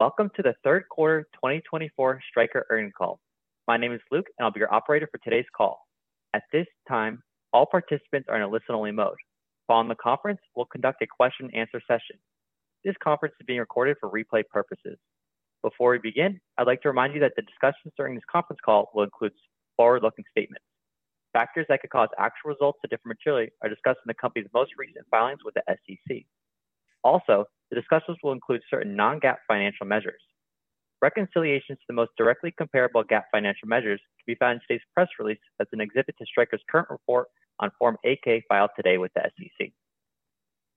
Welcome to the third quarter 2024 Stryker Earnings Call. My name is Luke, and I'll be your operator for today's call. At this time, all participants are in a listen-only mode. While in the conference, we'll conduct a question-and-answer session. This conference is being recorded for replay purposes. Before we begin, I'd like to remind you that the discussions during this conference call will include forward-looking statements. Factors that could cause actual results to differ materially are discussed in the company's most recent filings with the SEC. Also, the discussions will include certain non-GAAP financial measures. Reconciliations to the most directly comparable GAAP financial measures can be found in today's press release that's an exhibit to Stryker's current report on Form 8-K filed today with the SEC.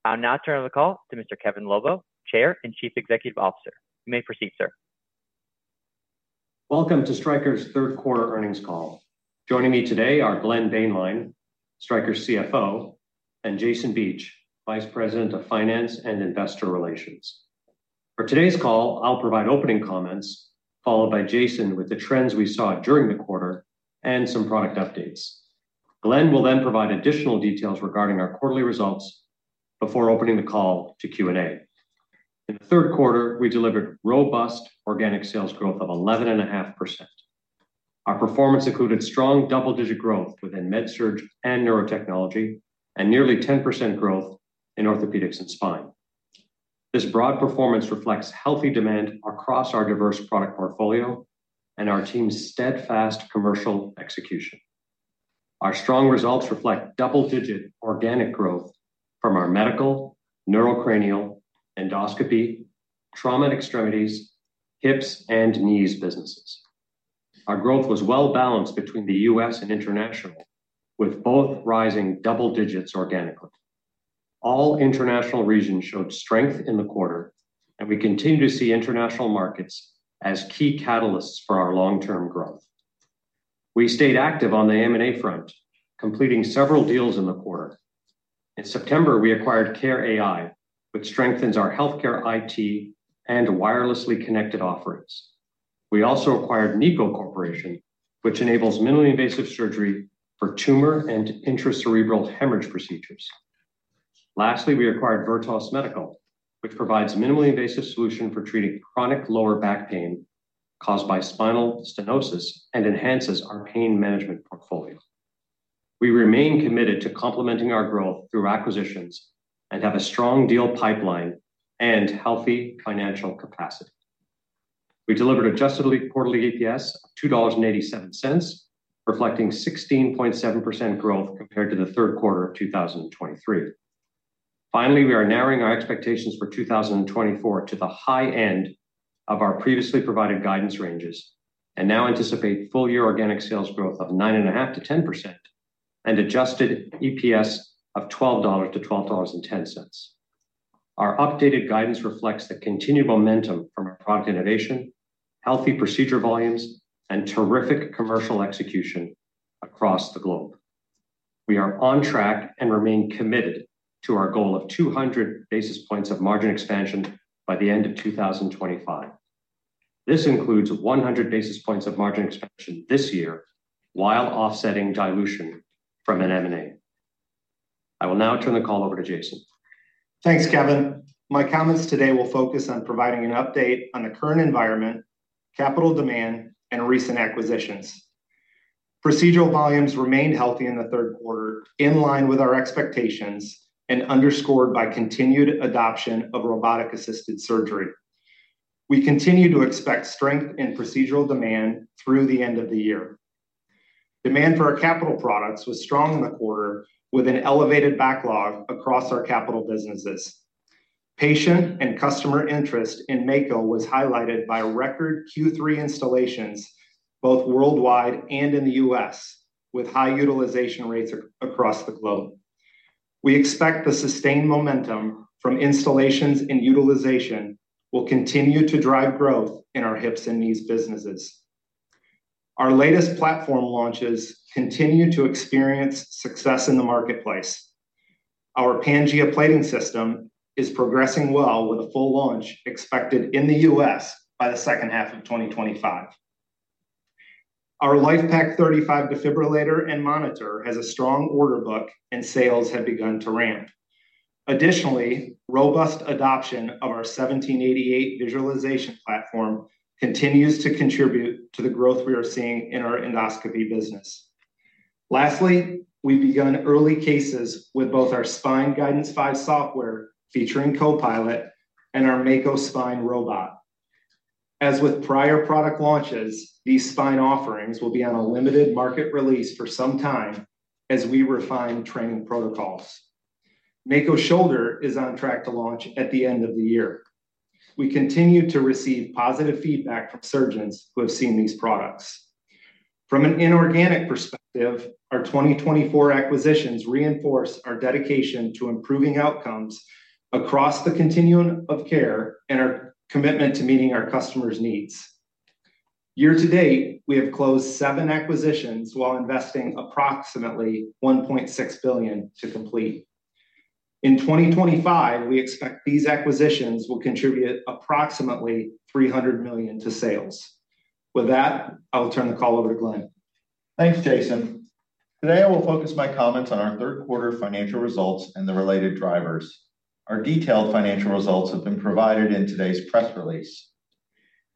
I'll now turn the call to Mr. Kevin Lobo, Chair and Chief Executive Officer. You may proceed, sir. Welcome to Stryker's third quarter earnings call. Joining me today are Glenn Boehnlein, Stryker's CFO, and Jason Beach, Vice President of Finance and Investor Relations. For today's call, I'll provide opening comments, followed by Jason with the trends we saw during the quarter and some product updates. Glenn will then provide additional details regarding our quarterly results before opening the call to Q&A. In the third quarter, we delivered robust organic sales growth of 11.5%. Our performance included strong double-digit growth within MedSurg and Neurotechnology and nearly 10% growth in Orthopaedics and Spine. This broad performance reflects healthy demand across our diverse product portfolio and our team's steadfast commercial execution. Our strong results reflect double-digit organic growth from our Medical, Neurotechnology, Trauma & Extremities, Hips, and Knees businesses. Our growth was well-balanced between the U.S. and international, with both rising double digits organically. All international regions showed strength in the quarter, and we continue to see international markets as key catalysts for our long-term growth. We stayed active on the M&A front, completing several deals in the quarter. In September, we acquired care.ai, which strengthens our healthcare IT and wirelessly connected offerings. We also acquired NICO Corporation, which enables minimally invasive surgery for tumor and intracerebral hemorrhage procedures. Lastly, we acquired Vertos Medical, which provides a minimally invasive solution for treating chronic lower back pain caused by spinal stenosis and enhances our pain management portfolio. We remain committed to complementing our growth through acquisitions and have a strong deal pipeline and healthy financial capacity. We delivered adjusted quarterly EPS of $2.87, reflecting 16.7% growth compared to the third quarter of 2023. Finally, we are narrowing our expectations for 2024 to the high end of our previously provided guidance ranges and now anticipate full-year organic sales growth of 9.5%-10% and adjusted EPS of $12.00-$12.10. Our updated guidance reflects the continued momentum from our product innovation, healthy procedure volumes, and terrific commercial execution across the globe. We are on track and remain committed to our goal of 200 basis points of margin expansion by the end of 2025. This includes 100 basis points of margin expansion this year while offsetting dilution from an M&A. I will now turn the call over to Jason. Thanks, Kevin. My comments today will focus on providing an update on the current environment, capital demand, and recent acquisitions. Procedural volumes remained healthy in the third quarter, in line with our expectations and underscored by continued adoption of robotic-assisted surgery. We continue to expect strength in procedural demand through the end of the year. Demand for our capital products was strong in the quarter, with an elevated backlog across our capital businesses. Patient and customer interest in Mako was highlighted by record Q3 installations, both worldwide and in the U.S., with high utilization rates across the globe. We expect the sustained momentum from installations and utilization will continue to drive growth in our Hips and Knees businesses. Our latest platform launches continue to experience success in the marketplace. Our Pangea plating system is progressing well, with a full launch expected in the U.S. by the second half of 2025. Our LIFEPAK 35 defibrillator and monitor has a strong order book, and sales have begun to ramp. Additionally, robust adoption of our 1788 Platform continues to contribute to the growth we are seeing in our Endoscopy business. Lastly, we've begun early cases with both our Spine Guidance 5 software featuring Copilot and our Mako Spine robot. As with prior product launches, these Spine offerings will be on a limited market release for some time as we refine training protocols. Mako Shoulder is on track to launch at the end of the year. We continue to receive positive feedback from surgeons who have seen these products. From an inorganic perspective, our 2024 acquisitions reinforce our dedication to improving outcomes across the continuum of care and our commitment to meeting our customers' needs. Year to date, we have closed seven acquisitions while investing approximately $1.6 billion to complete. In 2025, we expect these acquisitions will contribute approximately $300 million to sales. With that, I will turn the call over to Glenn. Thanks, Jason. Today, I will focus my comments on our third quarter financial results and the related drivers. Our detailed financial results have been provided in today's press release.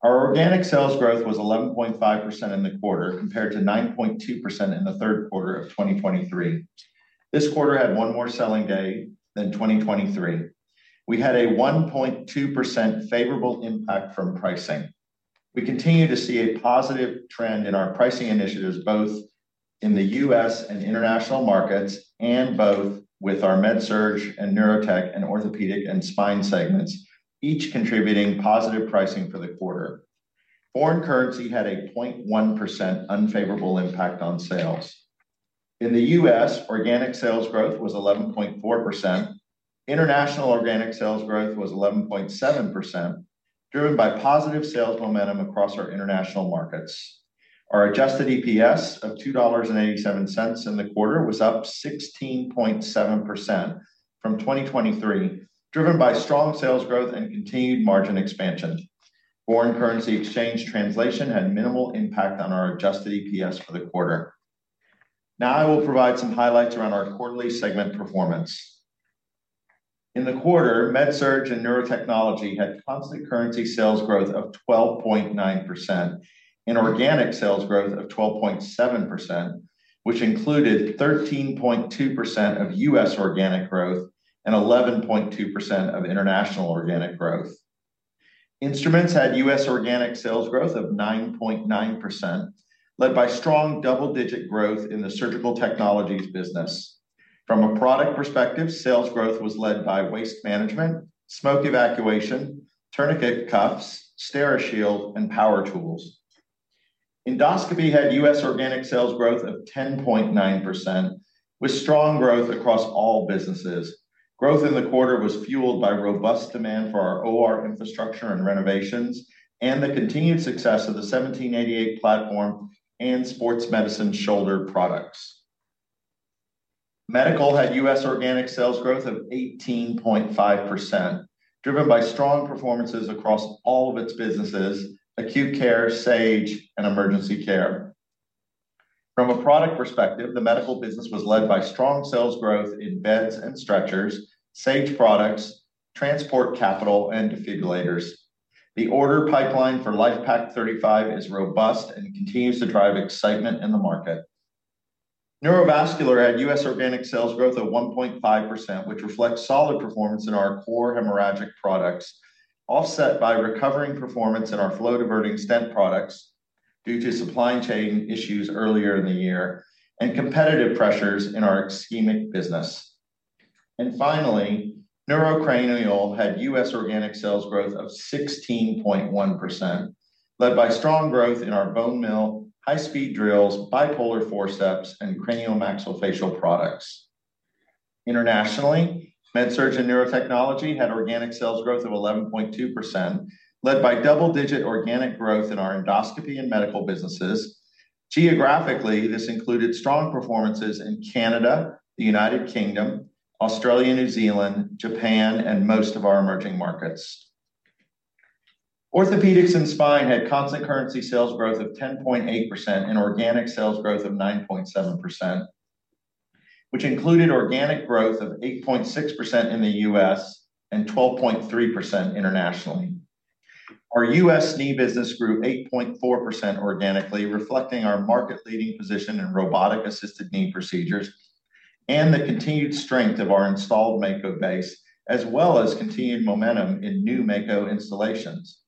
Our organic sales growth was 11.5% in the quarter compared to 9.2% in the third quarter of 2023. This quarter had one more selling day than 2023. We had a 1.2% favorable impact from pricing. We continue to see a positive trend in our pricing initiatives, both in the U.S. and international markets, and both with our MedSurg and Neurotechnology and Orthopaedics and Spine segments, each contributing positive pricing for the quarter. Foreign currency had a 0.1% unfavorable impact on sales. In the U.S., organic sales growth was 11.4%. International organic sales growth was 11.7%, driven by positive sales momentum across our international markets. Our adjusted EPS of $2.87 in the quarter was up 16.7% from 2023, driven by strong sales growth and continued margin expansion. Foreign currency exchange translation had minimal impact on our adjusted EPS for the quarter. Now, I will provide some highlights around our quarterly segment performance. In the quarter, MedSurg and Neurotechnology had constant currency sales growth of 12.9% and organic sales growth of 12.7%, which included 13.2% of U.S. organic growth and 11.2% of international organic growth. Instruments had U.S. organic sales growth of 9.9%, led by strong double-digit growth in the Surgical Technologies business. From a product perspective, sales growth was led by waste management, smoke evacuation, tourniquet cuffs, Steri-Shield, Power Tools. Endoscopy had U.S. organic sales growth of 10.9%, with strong growth across all businesses. Growth in the quarter was fueled by robust demand for our OR infrastructure and renovations and the continued success of the 1788 Platform and Sports Medicine Shoulder products. Medical had U.S. organic sales growth of 18.5%, driven by strong performances across all of its businesses: Acute Care, Sage, Emergency Care. from a product perspective, the Medical business was led by strong sales growth in beds and stretchers, Sage products, transport capital, and defibrillators. The order pipeline for LIFEPAK 35 is robust and continues to drive excitement in the market. Neurovascular had U.S. organic sales growth of 1.5%, which reflects solid performance in our core hemorrhagic products, offset by recovering performance in our flow-diverting stent products due to supply chain issues earlier in the year and competitive pressures in our Ischemic business. And finally, Neurocranial had U.S. Organic sales growth of 16.1%, led by strong growth in our bone mill, high-speed drills, bipolar forceps, and Cranial Maxillofacial products. Internationally, MedSurg and Neurotechnology had organic sales growth of 11.2%, led by double-digit organic growth in our Endoscopy and Medical businesses. Geographically, this included strong performances in Canada, the United Kingdom, Australia, New Zealand, Japan, and most of our emerging markets. Orthopaedics and Spine had constant currency sales growth of 10.8% and organic sales growth of 9.7%, which included organic growth of 8.6% in the U.S. and 12.3% internationally. Our U.S. Knee business grew 8.4% organically, reflecting our market-leading position in robotic-assisted knee procedures and the continued strength of our installed Mako base, as well as continued momentum in new Mako installations.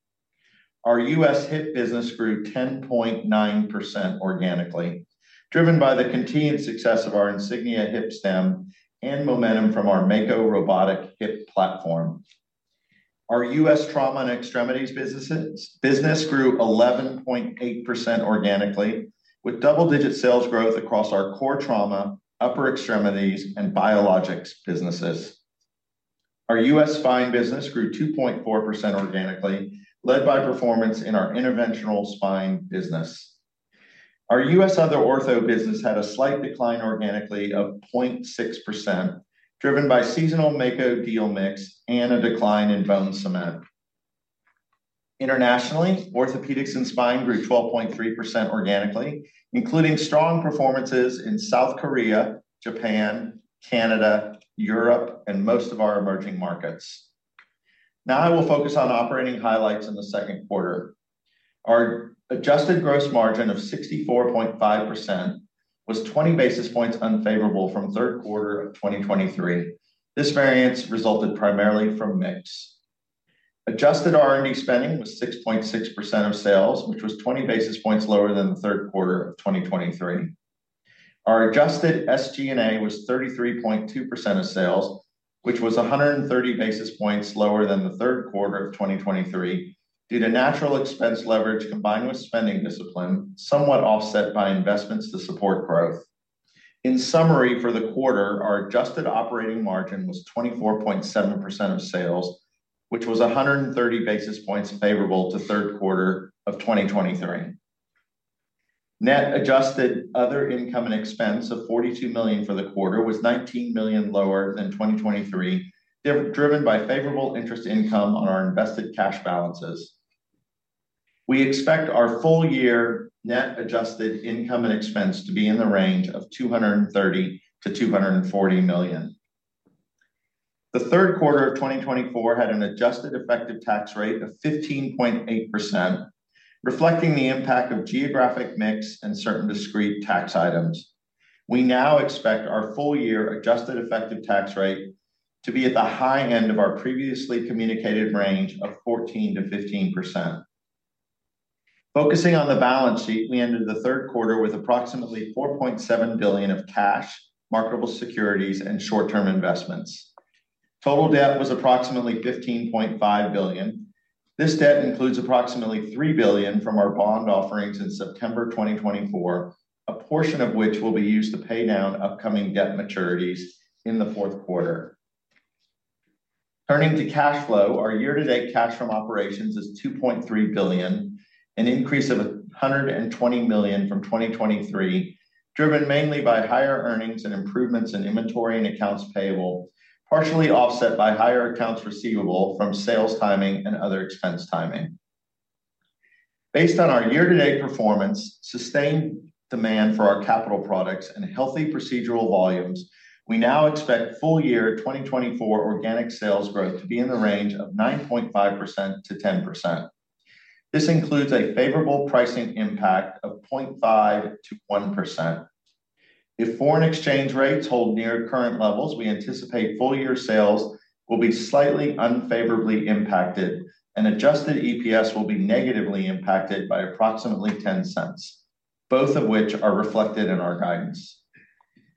Our U.S. Hip business grew 10.9% organically, driven by the continued success of our Insignia Hip Stem and momentum from our Mako robotic hip platform. Our U.S. Trauma and Extremities businesses grew 11.8% organically, with double-digit sales growth across our Core Trauma, Upper Extremities, and Biologics businesses. Our U.S. Spine business grew 2.4% organically, led by performance in our Interventional Spine business. Our Other Ortho business had a slight decline organically of 0.6%, driven by seasonal Mako deal mix and a decline in bone cement. Internationally, Orthopaedics and Spine grew 12.3% organically, including strong performances in South Korea, Japan, Canada, Europe, and most of our emerging markets. Now, I will focus on operating highlights in the second quarter. Our adjusted gross margin of 64.5% was 20 basis points unfavorable from third quarter of 2023. This variance resulted primarily from mix. Adjusted R&D spending was 6.6% of sales, which was 20 basis points lower than the third quarter of 2023. Our adjusted SG&A was 33.2% of sales, which was 130 basis points lower than the third quarter of 2023 due to natural expense leverage combined with spending discipline, somewhat offset by investments to support growth. In summary, for the quarter, our adjusted operating margin was 24.7% of sales, which was 130 basis points favorable to third quarter of 2023. Net adjusted other income and expense of $42 million for the quarter was $19 million lower than 2023, driven by favorable interest income on our invested cash balances. We expect our full-year net adjusted income and expense to be in the range of $230-$240 million. The third quarter of 2024 had an adjusted effective tax rate of 15.8%, reflecting the impact of geographic mix and certain discrete tax items. We now expect our full-year adjusted effective tax rate to be at the high end of our previously communicated range of 14%-15%. Focusing on the balance sheet, we ended the third quarter with approximately $4.7 billion of cash, marketable securities, and short-term investments. Total debt was approximately $15.5 billion. This debt includes approximately $3 billion from our bond offerings in September 2024, a portion of which will be used to pay down upcoming debt maturities in the fourth quarter. Turning to cash flow, our year-to-date cash from operations is $2.3 billion, an increase of $120 million from 2023, driven mainly by higher earnings and improvements in inventory and accounts payable, partially offset by higher accounts receivable from sales timing and other expense timing. Based on our year-to-date performance, sustained demand for our capital products, and healthy procedural volumes, we now expect full-year 2024 organic sales growth to be in the range of 9.5%-10%. This includes a favorable pricing impact of 0.5%-1%. If foreign exchange rates hold near current levels, we anticipate full-year sales will be slightly unfavorably impacted, and adjusted EPS will be negatively impacted by approximately $0.10, both of which are reflected in our guidance.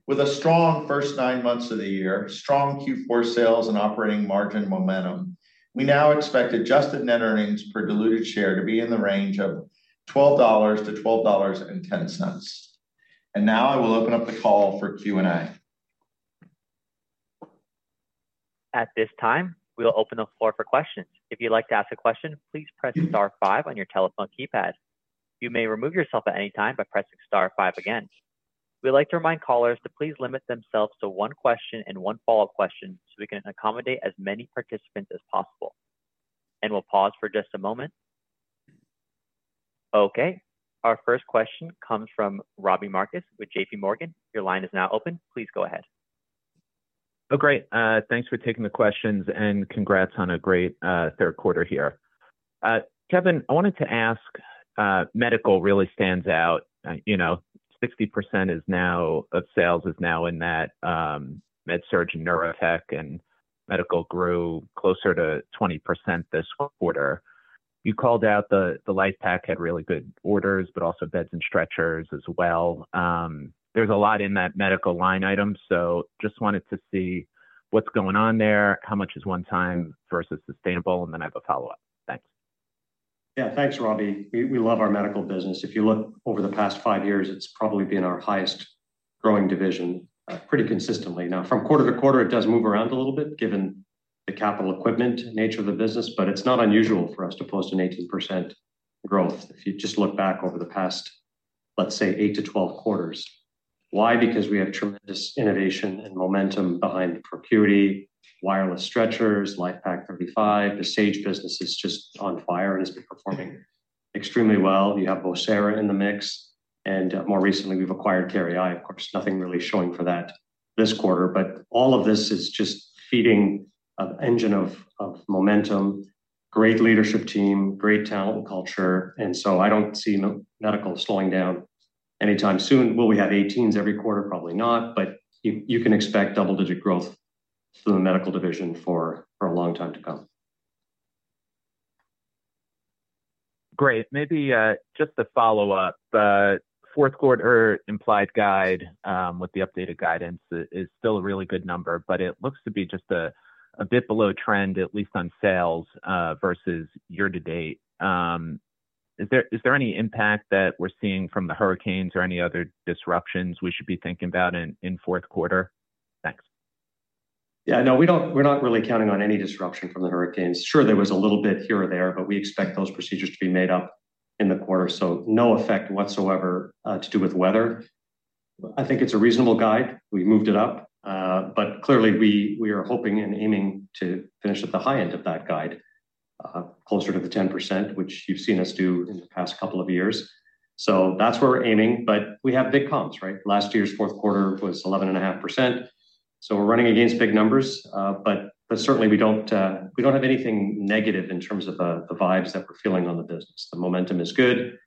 With a strong first nine months of the year, strong Q4 sales, and operating margin momentum, we now expect adjusted net earnings per diluted share to be in the range of $12-$12.10. And now, I will open up the call for Q&A. At this time, we'll open the floor for questions. If you'd like to ask a question, please press *5 on your telephone keypad. You may remove yourself at any time by pressing *5 again. We'd like to remind callers to please limit themselves to one question and one follow-up question so we can accommodate as many participants as possible, and we'll pause for just a moment. Okay. Our first question comes from Robbie Marcus with JPMorgan. Your line is now open. Please go ahead. Oh, great. Thanks for taking the questions, and congrats on a great third quarter here. Kevin, I wanted to ask, Medical really stands out. You know, 60% of sales is now in that MedSurg and neurotech, and Medical grew closer to 20% this quarter. You called out the LIFEPAK had really good orders, but also beds and stretchers as well. There's a lot in that Medical line item, so just wanted to see what's going on there, how much is one-time versus sustainable, and then I have a follow-up. Thanks. Yeah, thanks, Robbie. We love our Medical business. If you look over the past five years, it's probably been our highest growing division pretty consistently. Now, from quarter to quarter, it does move around a little bit given the capital equipment nature of the business, but it's not unusual for us to post an 18% growth if you just look back over the past, let's say, eight to 12 quarters. Why? Because we have tremendous innovation and momentum behind ProCuity, wireless stretchers, LIFEPAK 35. The Sage business is just on fire and has been performing extremely well. You have Vocera in the mix, and more recently, we've acquired care.ai. Of course, nothing really showing for that this quarter, but all of this is just feeding an engine of momentum. Great leadership team, great talent culture, and so I don't see Medical slowing down anytime soon. Will we have 18s every quarter? Probably not, but you can expect double-digit growth through the Medical division for a long time to come. Great. Maybe just to follow up, the fourth quarter implied guide with the updated guidance is still a really good number, but it looks to be just a bit below trend, at least on sales versus year-to-date. Is there any impact that we're seeing from the hurricanes or any other disruptions we should be thinking about in fourth quarter? Thanks. Yeah, no, we're not really counting on any disruption from the hurricanes. Sure, there was a little bit here or there, but we expect those procedures to be made up in the quarter, so no effect whatsoever to do with weather. I think it's a reasonable guide. We moved it up, but clearly, we are hoping and aiming to finish at the high end of that guide, closer to the 10%, which you've seen us do in the past couple of years. So that's where we're aiming, but we have big comms, right? Last year's fourth quarter was 11.5%, so we're running against big numbers, but certainly, we don't have anything negative in terms of the vibes that we're feeling on the business. The momentum is good,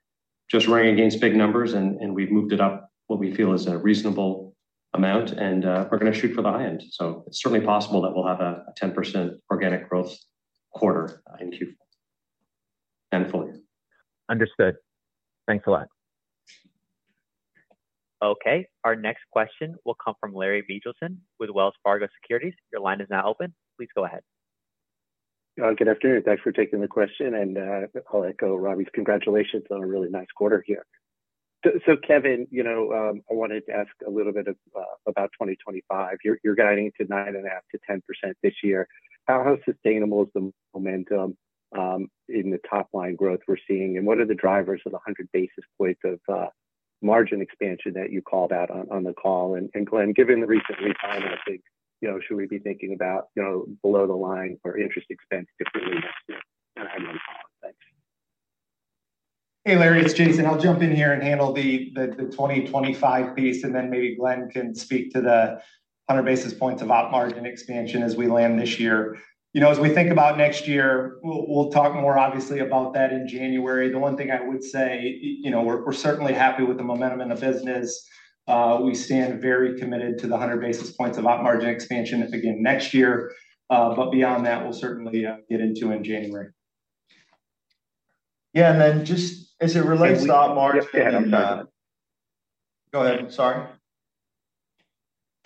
just running against big numbers, and we've moved it up what we feel is a reasonable amount, and we're going to shoot for the high end. So it's certainly possible that we'll have a 10% organic growth quarter in Q4 and fully. Understood. Thanks a lot. Okay. Our next question will come from Larry Biegelsen with Wells Fargo Securities. Your line is now open. Please go ahead. Good afternoon. Thanks for taking the question, and I'll echo Robbie's congratulations on a really nice quarter here. So Kevin, you know I wanted to ask a little bit about 2025. You're guiding to 9.5%-10% this year. How sustainable is the momentum in the top-line growth we're seeing, and what are the drivers of the 100 basis points of margin expansion that you called out on the call? And Glenn, given the recent retirement, I think should we be thinking about below the line or interest expense differently next year? Thanks. Hey, Larry, it's Jason. I'll jump in here and handle the 2025 piece, and then maybe Glenn can speak to the 100 basis points of op margin expansion as we land this year. As we think about next year, we'll talk more obviously about that in January. The one thing I would say, we're certainly happy with the momentum in the business. We stand very committed to the 100 basis points of op margin expansion again next year, but beyond that, we'll certainly get into in January. Yeah, and then just as it relates to op margin. Go ahead. Sorry.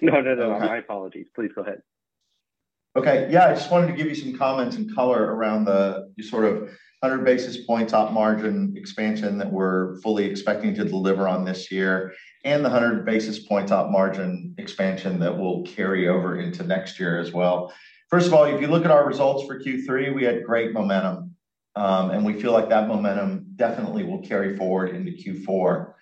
No, no, no, my apologies. Please go ahead. Okay. Yeah, I just wanted to give you some comments and color around the sort of 100 basis points op margin expansion that we're fully expecting to deliver on this year and the 100 basis points op margin expansion that will carry over into next year as well. First of all, if you look at our results for Q3, we had great momentum, and we feel like that momentum definitely will carry forward into Q4.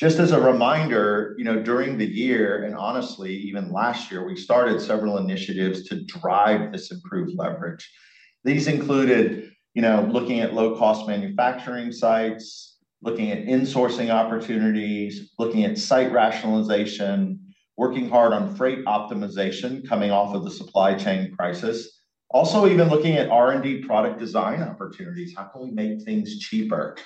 Just as a reminder, during the year, and honestly, even last year, we started several initiatives to drive this improved leverage. These included looking at low-cost manufacturing sites, looking at insourcing opportunities, looking at site rationalization, working hard on freight optimization coming off of the supply chain crisis, also even looking at R&D product design opportunities. How can we make things cheaper?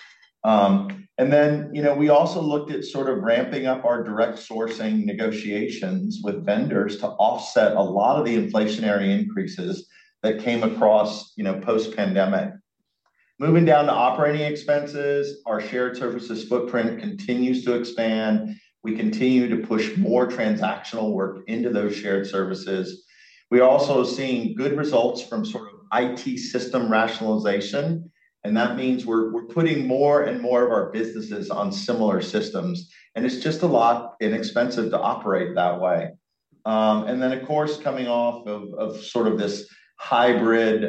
And then we also looked at sort of ramping up our direct sourcing negotiations with vendors to offset a lot of the inflationary increases that came across post-pandemic. Moving down to operating expenses, our shared services footprint continues to expand. We continue to push more transactional work into those shared services. We are also seeing good results from sort of IT system rationalization, and that means we're putting more and more of our businesses on similar systems, and it's just a lot less expensive to operate that way. And then, of course, coming off of sort of this hybrid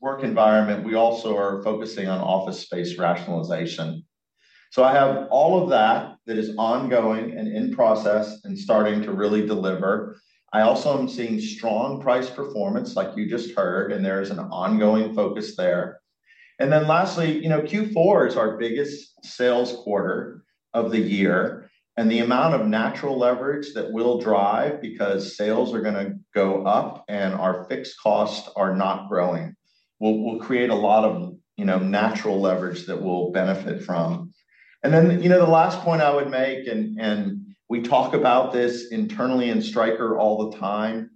work environment, we also are focusing on office space rationalization. So I have all of that is ongoing and in process and starting to really deliver. I also am seeing strong price performance, like you just heard, and there is an ongoing focus there. And then lastly, Q4 is our biggest sales quarter of the year, and the amount of natural leverage that will drive because sales are going to go up and our fixed costs are not growing will create a lot of natural leverage that we'll benefit from. And then the last point I would make, and we talk about this internally in Stryker all the time,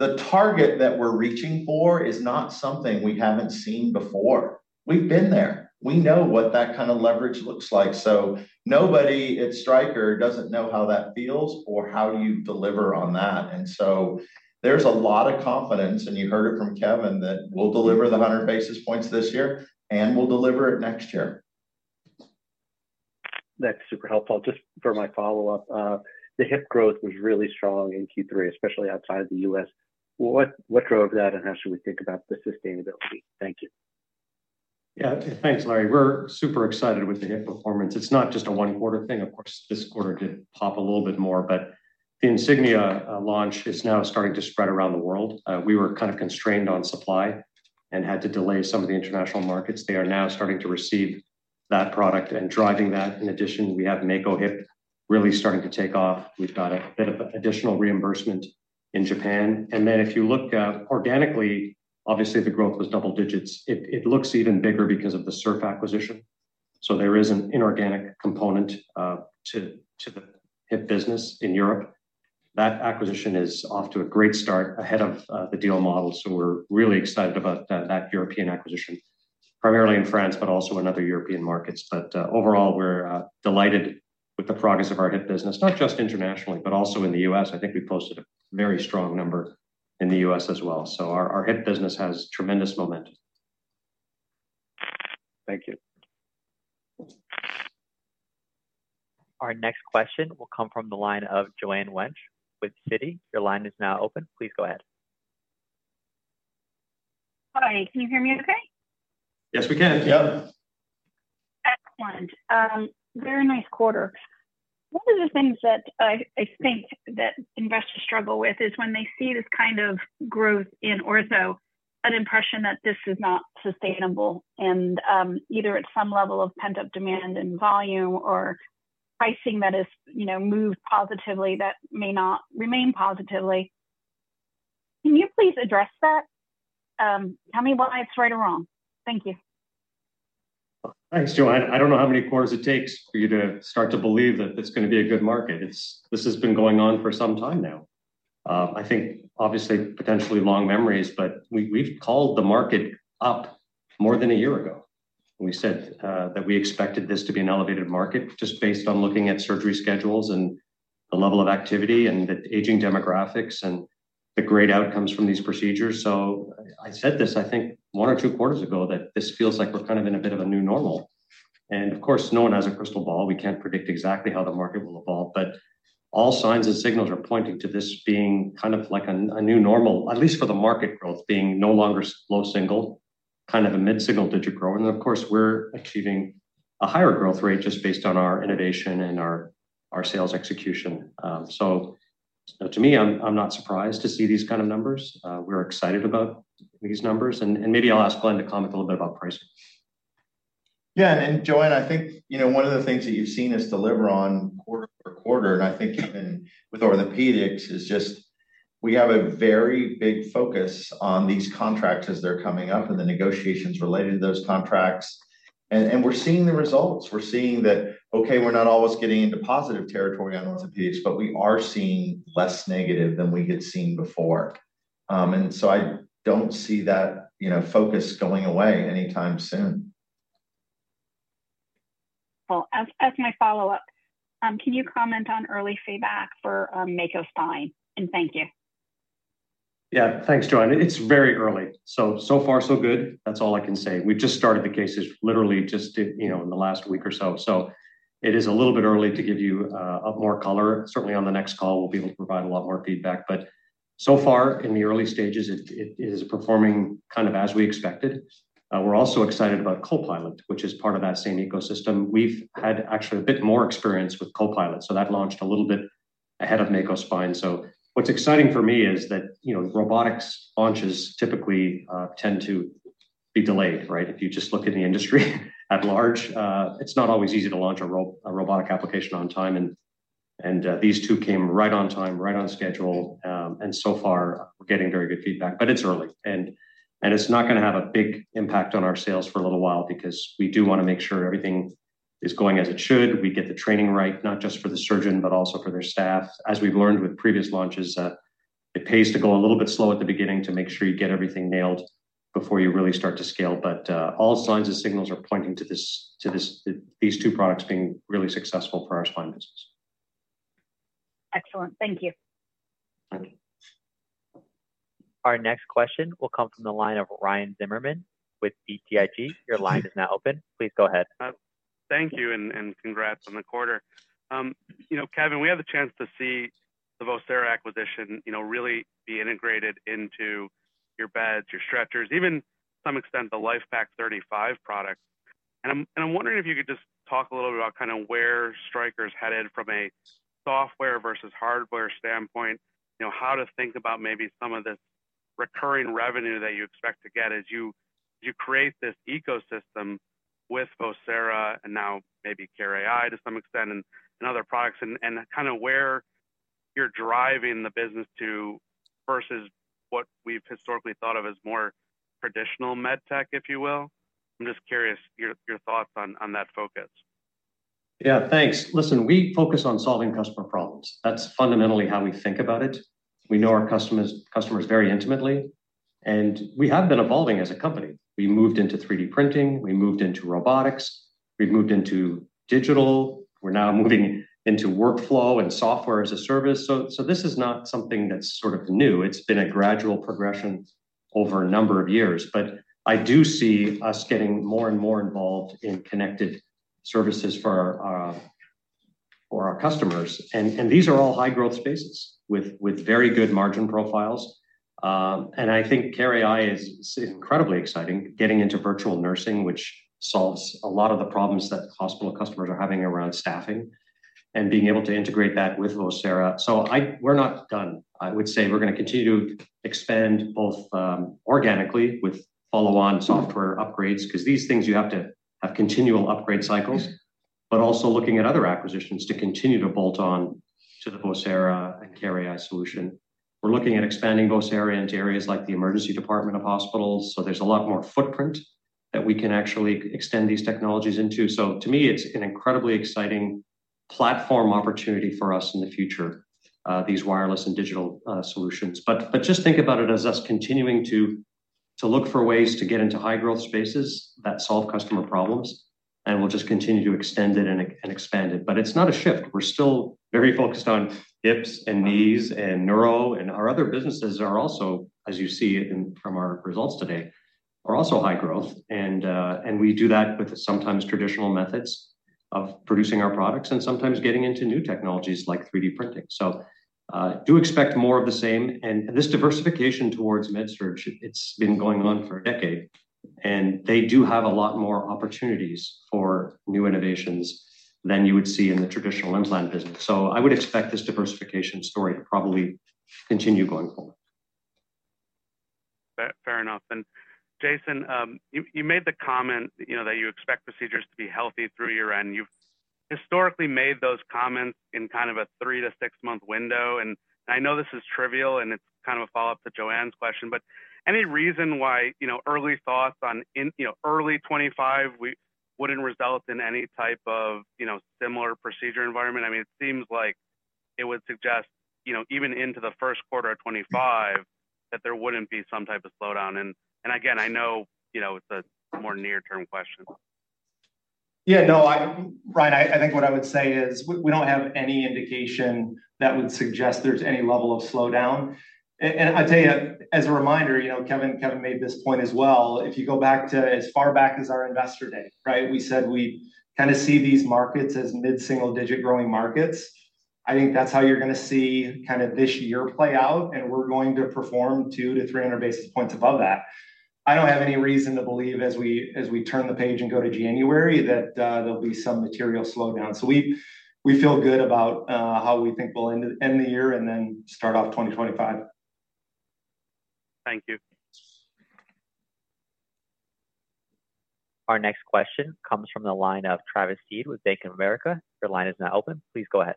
the target that we're reaching for is not something we haven't seen before. We've been there. We know what that kind of leverage looks like. So nobody at Stryker doesn't know how that feels or how you deliver on that. And so there's a lot of confidence, and you heard it from Kevin, that we'll deliver the 100 basis points this year, and we'll deliver it next year. That's super helpful. Just for my follow-up, the hip growth was really strong in Q3, especially outside the U.S. What drove that, and how should we think about the sustainability? Thank you. Yeah, thanks, Larry. We're super excited with the hip performance. It's not just a one-quarter thing. Of course, this quarter did pop a little bit more, but the Insignia launch is now starting to spread around the world. We were kind of constrained on supply and had to delay some of the international markets. They are now starting to receive that product and driving that. In addition, we have Mako Hip really starting to take off. We've got a bit of additional reimbursement in Japan. And then if you look organically, obviously, the growth was double digits. It looks even bigger because of the SERF acquisition. So there is an inorganic component to the Hip business in Europe. That acquisition is off to a great start ahead of the deal model. So we're really excited about that European acquisition, primarily in France, but also in other European markets. But overall, we're delighted with the progress of our Hip business, not just internationally, but also in the U.S. I think we posted a very strong number in the U.S. as well. So our Hip business has tremendous momentum. Thank you. Our next question will come from the line of Joanne Wuensch with Citi. Your line is now open. Please go ahead. Hi. Can you hear me okay? Yes, we can. Yep. Excellent. Very nice quarter. One of the things that I think that investors struggle with is when they see this kind of growth in ortho, an impression that this is not sustainable, and either at some level of pent-up demand and volume or pricing that has moved positively that may not remain positively. Can you please address that? Tell me why it's right or wrong. Thank you. Thanks, Joanne. I don't know how many quarters it takes for you to start to believe that this is going to be a good market. This has been going on for some time now. I think, obviously, potentially long memories, but we've called the market up more than a year ago. We said that we expected this to be an elevated market just based on looking at surgery schedules and the level of activity and the aging demographics and the great outcomes from these procedures. So I said this, I think, one or two quarters ago that this feels like we're kind of in a bit of a new normal, and of course, no one has a crystal ball. We can't predict exactly how the market will evolve, but all signs and signals are pointing to this being kind of like a new normal, at least for the market growth, being no longer low single, kind of a mid-single digit growth, and of course, we're achieving a higher growth rate just based on our innovation and our sales execution, so to me, I'm not surprised to see these kind of numbers. We're excited about these numbers, and maybe I'll ask Glenn to comment a little bit about pricing. Yeah, and Joanne, I think one of the things that you've seen us deliver on quarter for quarter, and I think even with Orthopaedics, is just we have a very big focus on these contracts as they're coming up and the negotiations related to those contracts, and we're seeing the results. We're seeing that, okay, we're not always getting into positive territory on Orthopaedics, but we are seeing less negative than we had seen before. And so I don't see that focus going away anytime soon. As my follow-up, can you comment on early feedback for Mako Spine? Thank you. Yeah, thanks, Joanne. It's very early. So far, so good. That's all I can say. We've just started the cases literally just in the last week or so. So it is a little bit early to give you more color. Certainly, on the next call, we'll be able to provide a lot more feedback. But so far, in the early stages, it is performing kind of as we expected. We're also excited about Copilot, which is part of that same ecosystem. We've had actually a bit more experience with Copilot, so that launched a little bit ahead of Mako Spine. So what's exciting for me is that robotics launches typically tend to be delayed, right? If you just look at the industry at large, it's not always easy to launch a robotic application on time, and these two came right on time, right on schedule. And so far, we're getting very good feedback, but it's early. And it's not going to have a big impact on our sales for a little while because we do want to make sure everything is going as it should. We get the training right, not just for the surgeon, but also for their staff. As we've learned with previous launches, it pays to go a little bit slow at the beginning to make sure you get everything nailed before you really start to scale. But all signs and signals are pointing to these two products being really successful for our Spine business. Excellent. Thank you. Our next question will come from the line of Ryan Zimmerman with BTIG. Your line is now open. Please go ahead. Thank you and congrats on the quarter. Kevin, we had the chance to see the Vocera acquisition really be integrated into your beds, your stretchers, even to some extent the LIFEPAK 35 product, and I'm wondering if you could just talk a little bit about kind of where Stryker is headed from a software versus hardware standpoint, how to think about maybe some of this recurring revenue that you expect to get as you create this ecosystem with Vocera and now maybe care.ai to some extent and other products, and kind of where you're driving the business to versus what we've historically thought of as more traditional med tech, if you will. I'm just curious your thoughts on that focus. Yeah, thanks. Listen, we focus on solving customer problems. That's fundamentally how we think about it. We know our customers very intimately, and we have been evolving as a company. We moved into 3D printing. We moved into robotics. We've moved into digital. We're now moving into workflow and software as a service. So this is not something that's sort of new. It's been a gradual progression over a number of years. But I do see us getting more and more involved in connected services for our customers. And these are all high-growth spaces with very good margin profiles. And I think care.ai is incredibly exciting, getting into virtual nursing, which solves a lot of the problems that hospital customers are having around staffing and being able to integrate that with Vocera. So we're not done. I would say we're going to continue to expand both organically with follow-on software upgrades because these things you have to have continual upgrade cycles, but also looking at other acquisitions to continue to bolt on to the Vocera and care.ai solution. We're looking at expanding Vocera into areas like the emergency department of hospitals. So there's a lot more footprint that we can actually extend these technologies into. So to me, it's an incredibly exciting platform opportunity for us in the future, these wireless and digital solutions. But just think about it as us continuing to look for ways to get into high-growth spaces that solve customer problems, and we'll just continue to extend it and expand it. But it's not a shift. We're still very focused on Hips and Knees and neuro, and our other businesses are also, as you see from our results today, are also high growth. And we do that with sometimes traditional methods of producing our products and sometimes getting into new technologies like 3D printing. So do expect more of the same. And this diversification towards MedSurg, it's been going on for a decade, and they do have a lot more opportunities for new innovations than you would see in the traditional implant business. So I would expect this diversification story to probably continue going forward. Fair enough. Jason, you made the comment that you expect procedures to be healthy through year-end. You've historically made those comments in kind of a three to six-month window. I know this is trivial, and it's kind of a follow-up to Joanne's question, but any reason why early thoughts on early 2025 wouldn't result in any type of similar procedure environment? I mean, it seems like it would suggest even into the first quarter of 2025 that there wouldn't be some type of slowdown. Again, I know it's a more near-term question. Yeah, no, Ryan, I think what I would say is we don't have any indication that would suggest there's any level of slowdown. And I'll tell you, as a reminder, Kevin made this point as well. If you go back to as far back as our investor day, right, we said we kind of see these markets as mid-single digit growing markets. I think that's how you're going to see kind of this year play out, and we're going to perform two to three hundred basis points above that. I don't have any reason to believe as we turn the page and go to January that there'll be some material slowdown. So we feel good about how we think we'll end the year and then start off 2025. Thank you. Our next question comes from the line of Travis Steed with Bank of America. Your line is now open. Please go ahead.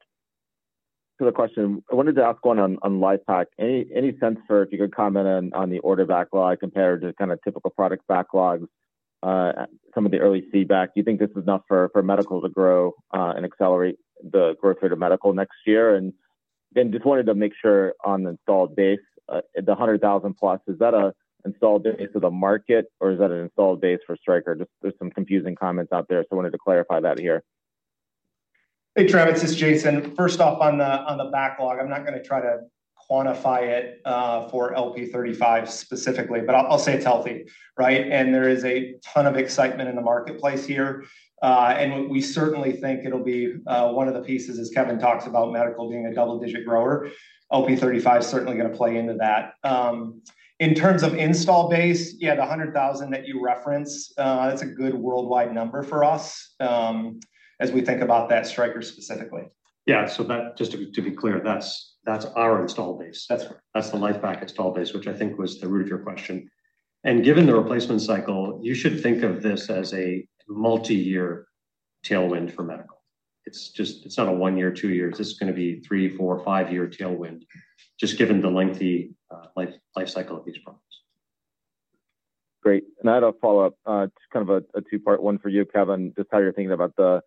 So the question I wanted to ask one on LIFEPAK. Any sense for if you could comment on the order backlog compared to kind of typical product backlogs, some of the early feedback? Do you think this is enough for Medical to grow and accelerate the growth rate of Medical next year? And then just wanted to make sure on the installed base, the 100,000-plus, is that an installed base of the market, or is that an installed base for Stryker? Just, there's some confusing comments out there, so I wanted to clarify that here. Hey, Travis, it's Jason. First off, on the backlog, I'm not going to try to quantify it for LIFEPAK 35 specifically, but I'll say it's healthy, right? And there is a ton of excitement in the marketplace here. And we certainly think it'll be one of the pieces as Kevin talks about Medical being a double-digit grower. LIFEPAK 35 is certainly going to play into that. In terms of install base, yeah, the 100,000 that you reference, that's a good worldwide number for us as we think about that Stryker specifically. Yeah. So just to be clear, that's our install base. That's the LIFEPAK install base, which I think was the root of your question. And given the replacement cycle, you should think of this as a multi-year tailwind for Medical. It's not a one-year, two-year. This is going to be three, four, five-year tailwind just given the lengthy life cycle of these products. Great. And I had a follow-up, just kind of a two-part one for you, Kevin, just how you're thinking about the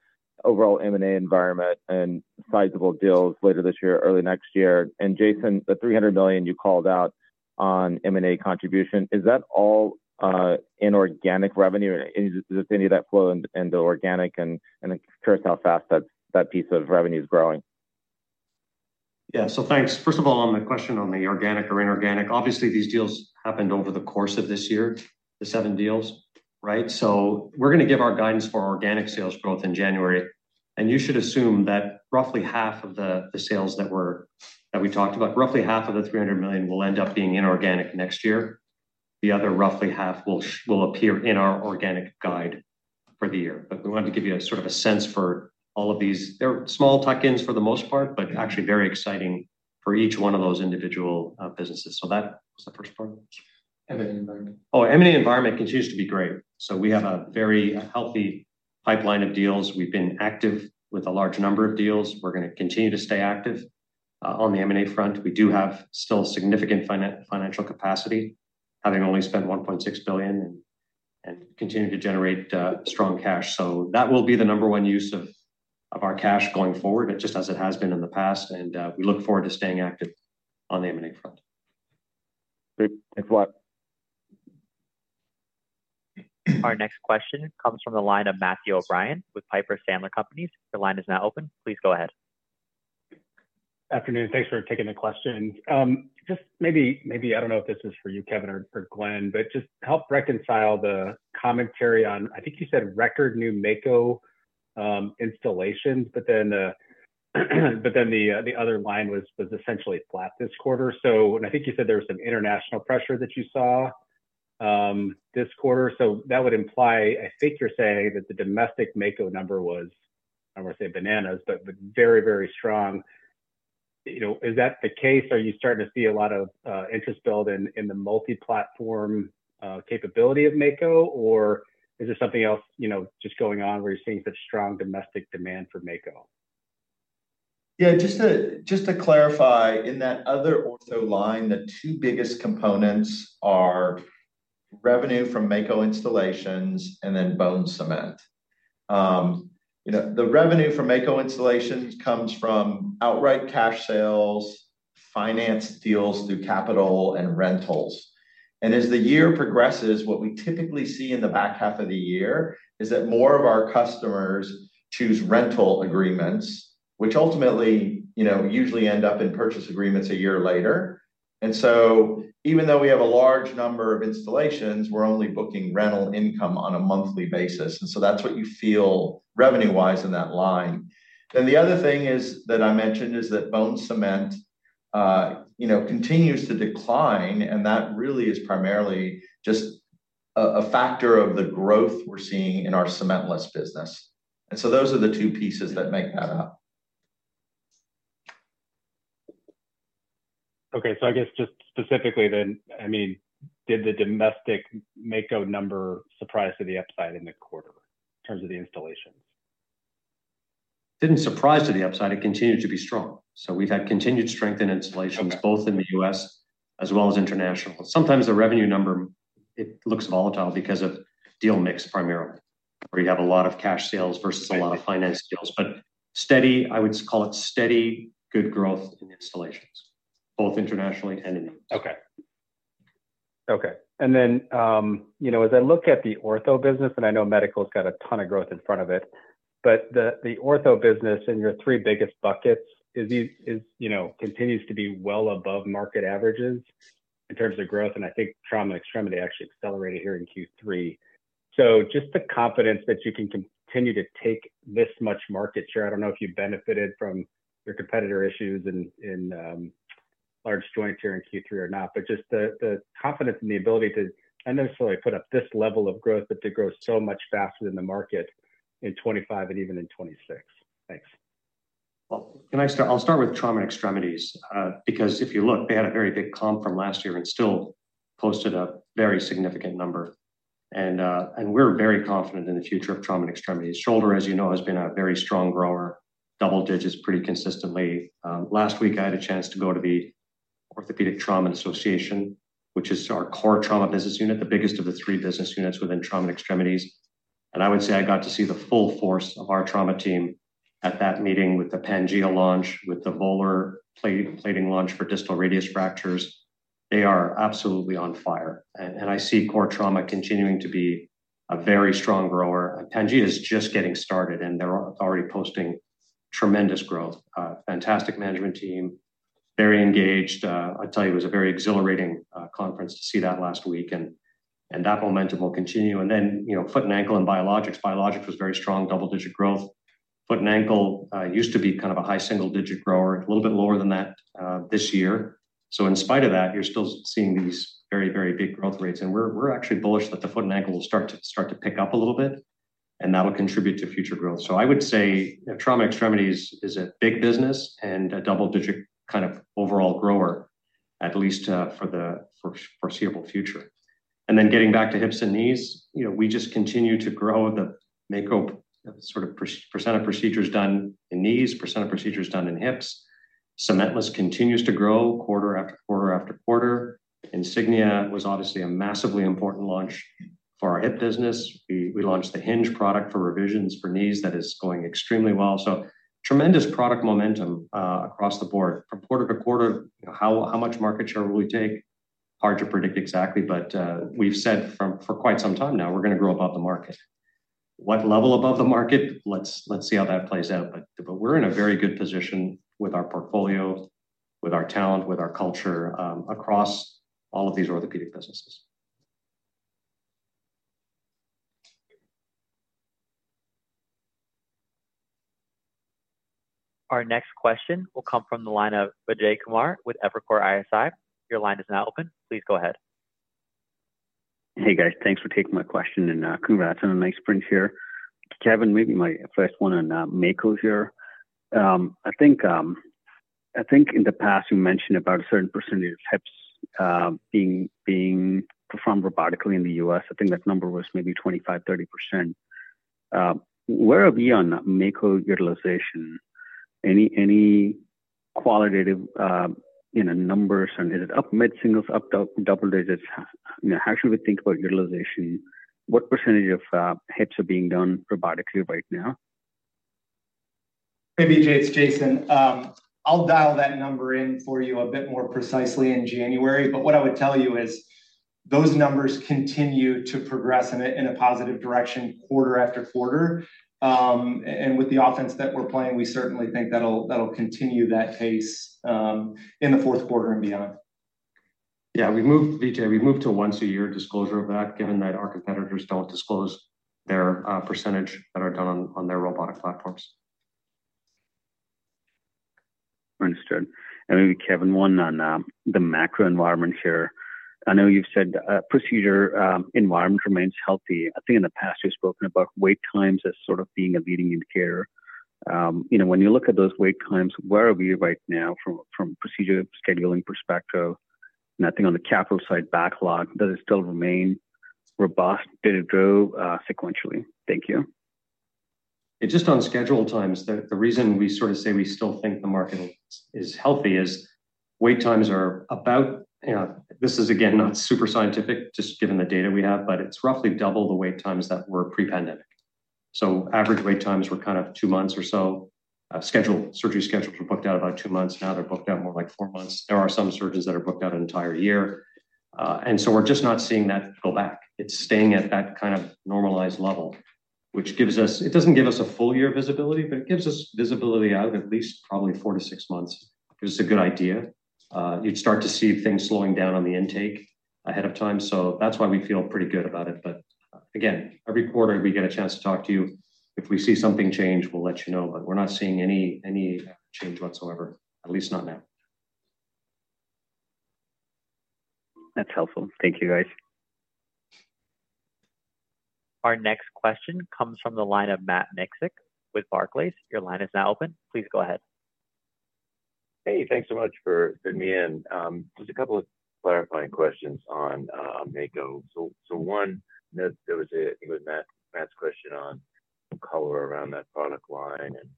overall M&A environment and sizable deals later this year, early next year. And Jason, the $300 million you called out on M&A contribution, is that all in organic revenue? Is there any of that flow into organic and Q4's how fast that piece of revenue is growing? Yeah. So, thanks. First of all, on the question on the organic or inorganic, obviously, these deals happened over the course of this year, the seven deals, right? So, we're going to give our guidance for organic sales growth in January. And you should assume that roughly half of the sales that we talked about, roughly half of the $300 million will end up being inorganic next year. The other roughly half will appear in our organic guide for the year. But we wanted to give you sort of a sense for all of these. They're small tuck-ins for the most part, but actually very exciting for each one of those individual businesses. So that was the first part. M&A environment. Oh, M&A environment continues to be great. So we have a very healthy pipeline of deals. We've been active with a large number of deals. We're going to continue to stay active on the M&A front. We do have still significant financial capacity, having only spent $1.6 billion and continue to generate strong cash. So that will be the number one use of our cash going forward, just as it has been in the past, and we look forward to staying active on the M&A front. Great. Thanks a lot. Our next question comes from the line of Matthew O'Brien with Piper Sandler Companies. The line is now open. Please go ahead. Afternoon. Thanks for taking the question. Just maybe, I don't know if this is for you, Kevin or Glenn, but just help reconcile the commentary on, I think you said record new Mako installations, but then the other line was essentially flat this quarter. And I think you said there was some international pressure that you saw this quarter. So that would imply, I think you're saying that the domestic Mako number was, I don't want to say bananas, but very, very strong. Is that the case? Are you starting to see a lot of interest build in the multi-platform capability of Mako, or is there something else just going on where you're seeing such strong domestic demand for Mako? Yeah. Just to clarify, in Other Ortho line, the two biggest components are revenue from Mako installations and then bone cement. The revenue from Mako installations comes from outright cash sales, finance deals through capital, and rentals. And as the year progresses, what we typically see in the back half of the year is that more of our customers choose rental agreements, which ultimately usually end up in purchase agreements a year later. And so even though we have a large number of installations, we're only booking rental income on a monthly basis. And so that's what you feel revenue-wise in that line. Then the other thing that I mentioned is that bone cement continues to decline, and that really is primarily just a factor of the growth we're seeing in our cementless business. And so those are the two pieces that make that up. Okay. So I guess just specifically then, I mean, did the domestic Mako number surprise to the upside in the quarter in terms of the installations? It didn't surprise to the upside. It continued to be strong, so we've had continued strength in installations, both in the U.S. as well as international. Sometimes the revenue number, it looks volatile because of deal mix primarily, where you have a lot of cash sales versus a lot of finance deals, but steady, I would call it steady good growth in installations, both internationally and in the U.S. And then as I look at the ortho business, and I know Medical has got a ton of growth in front of it, but the ortho business and your three biggest buckets continues to be well above market averages in terms of growth. And I think trauma and extremity actually accelerated here in Q3. So just the confidence that you can continue to take this much market share. I don't know if you benefited from your competitor issues in large joints here in Q3 or not, but just the confidence and the ability to not necessarily put up this level of growth, but to grow so much faster than the market in 2025 and even in 2026. Thanks. Can I start? I'll start with trauma and extremities because if you look, they had a very big comp from last year and still posted a very significant number. And we're very confident in the future of trauma and extremities. Shoulder, as you know, has been a very strong grower, double digits pretty consistently. Last week, I had a chance to go to the Orthopaedic Trauma Association, which is our Core Trauma business unit, the biggest of the three business units within trauma and extremities. And I would say I got to see the full force of our trauma team at that meeting with the Pangea launch, with the volar plating launch for distal radius fractures. They are absolutely on fire. And I see Core Trauma continuing to be a very strong grower. And Pangea is just getting started, and they're already posting tremendous growth. Fantastic management team, very engaged. I'll tell you, it was a very exhilarating conference to see that last week. And that momentum will continue. And then Foot & Ankle and biologics. Biologics was very strong, double-digit growth. Foot & Ankle used to be kind of a high single-digit grower, a little bit lower than that this year. So in spite of that, you're still seeing these very, very big growth rates. And we're actually bullish that the Foot & Ankle will start to pick up a little bit, and that will contribute to future growth. So I would Trauma & Extremities is a big business and a double-digit kind of overall grower, at least for the foreseeable future. And then getting back to Hips and Knees, we just continue to grow the Mako sort of percent of procedures done in Knees, percent of procedures done in Hips. Cementless continues to grow quarter after quarter after quarter. Insignia was obviously a massively important launch for our Hip business. We launched the hinge product for revisions for Knees that is going extremely well. So tremendous product momentum across the board. From quarter to quarter, how much market share will we take? Hard to predict exactly, but we've said for quite some time now, we're going to grow above the market. What level above the market? Let's see how that plays out. But we're in a very good position with our portfolio, with our talent, with our culture across all of these orthopedic businesses. Our next question will come from the line of Vijay Kumar with Evercore ISI. Your line is now open. Please go ahead. Hey, guys. Thanks for taking my question. And congrats on a nice sprint here. Kevin, maybe my first one on Mako here. I think in the past, you mentioned about a certain percentage of Hips being performed robotically in the U.S. I think that number was maybe 25%-30%. Where are we on Mako utilization? Any qualitative numbers? And is it up, mid-singles, up, double digits? How should we think about utilization? What percentage of Hips are being done robotically right now? Maybe it's Jason. I'll dial that number in for you a bit more precisely in January. But what I would tell you is those numbers continue to progress in a positive direction quarter after quarter. And with the offense that we're playing, we certainly think that'll continue that pace in the fourth quarter and beyond. Yeah. Vijay, we've moved to a once-a-year disclosure of that, given that our competitors don't disclose their percentage that are done on their robotic platforms. Understood. And maybe Kevin, one on the macro environment here. I know you've said procedure environment remains healthy. I think in the past, you've spoken about wait times as sort of being a leading indicator. When you look at those wait times, where are we right now from a procedure scheduling perspective? And I think on the capital side backlog, does it still remain robust? Did it grow sequentially? Thank you. Just on schedule times, the reason we sort of say we still think the market is healthy is wait times are about, this is, again, not super scientific, just given the data we have, but it's roughly double the wait times that were pre-pandemic. So average wait times were kind of two months or so. Surgery schedules were booked out about two months. Now they're booked out more like four months. There are some surgeries that are booked out an entire year. And so we're just not seeing that go back. It's staying at that kind of normalized level, which gives us, it doesn't give us a full year visibility, but it gives us visibility out at least probably four to six months. It gives us a good idea. You'd start to see things slowing down on the intake ahead of time. So that's why we feel pretty good about it. But again, every quarter, we get a chance to talk to you. If we see something change, we'll let you know. But we're not seeing any change whatsoever, at least not now. That's helpful. Thank you, guys. Our next question comes from the line of Matt Miksic with Barclays. Your line is now open. Please go ahead. Hey, thanks so much for tuning in. Just a couple of clarifying questions on Mako. So one, there was a, I think it was Matt's question on color around that product line and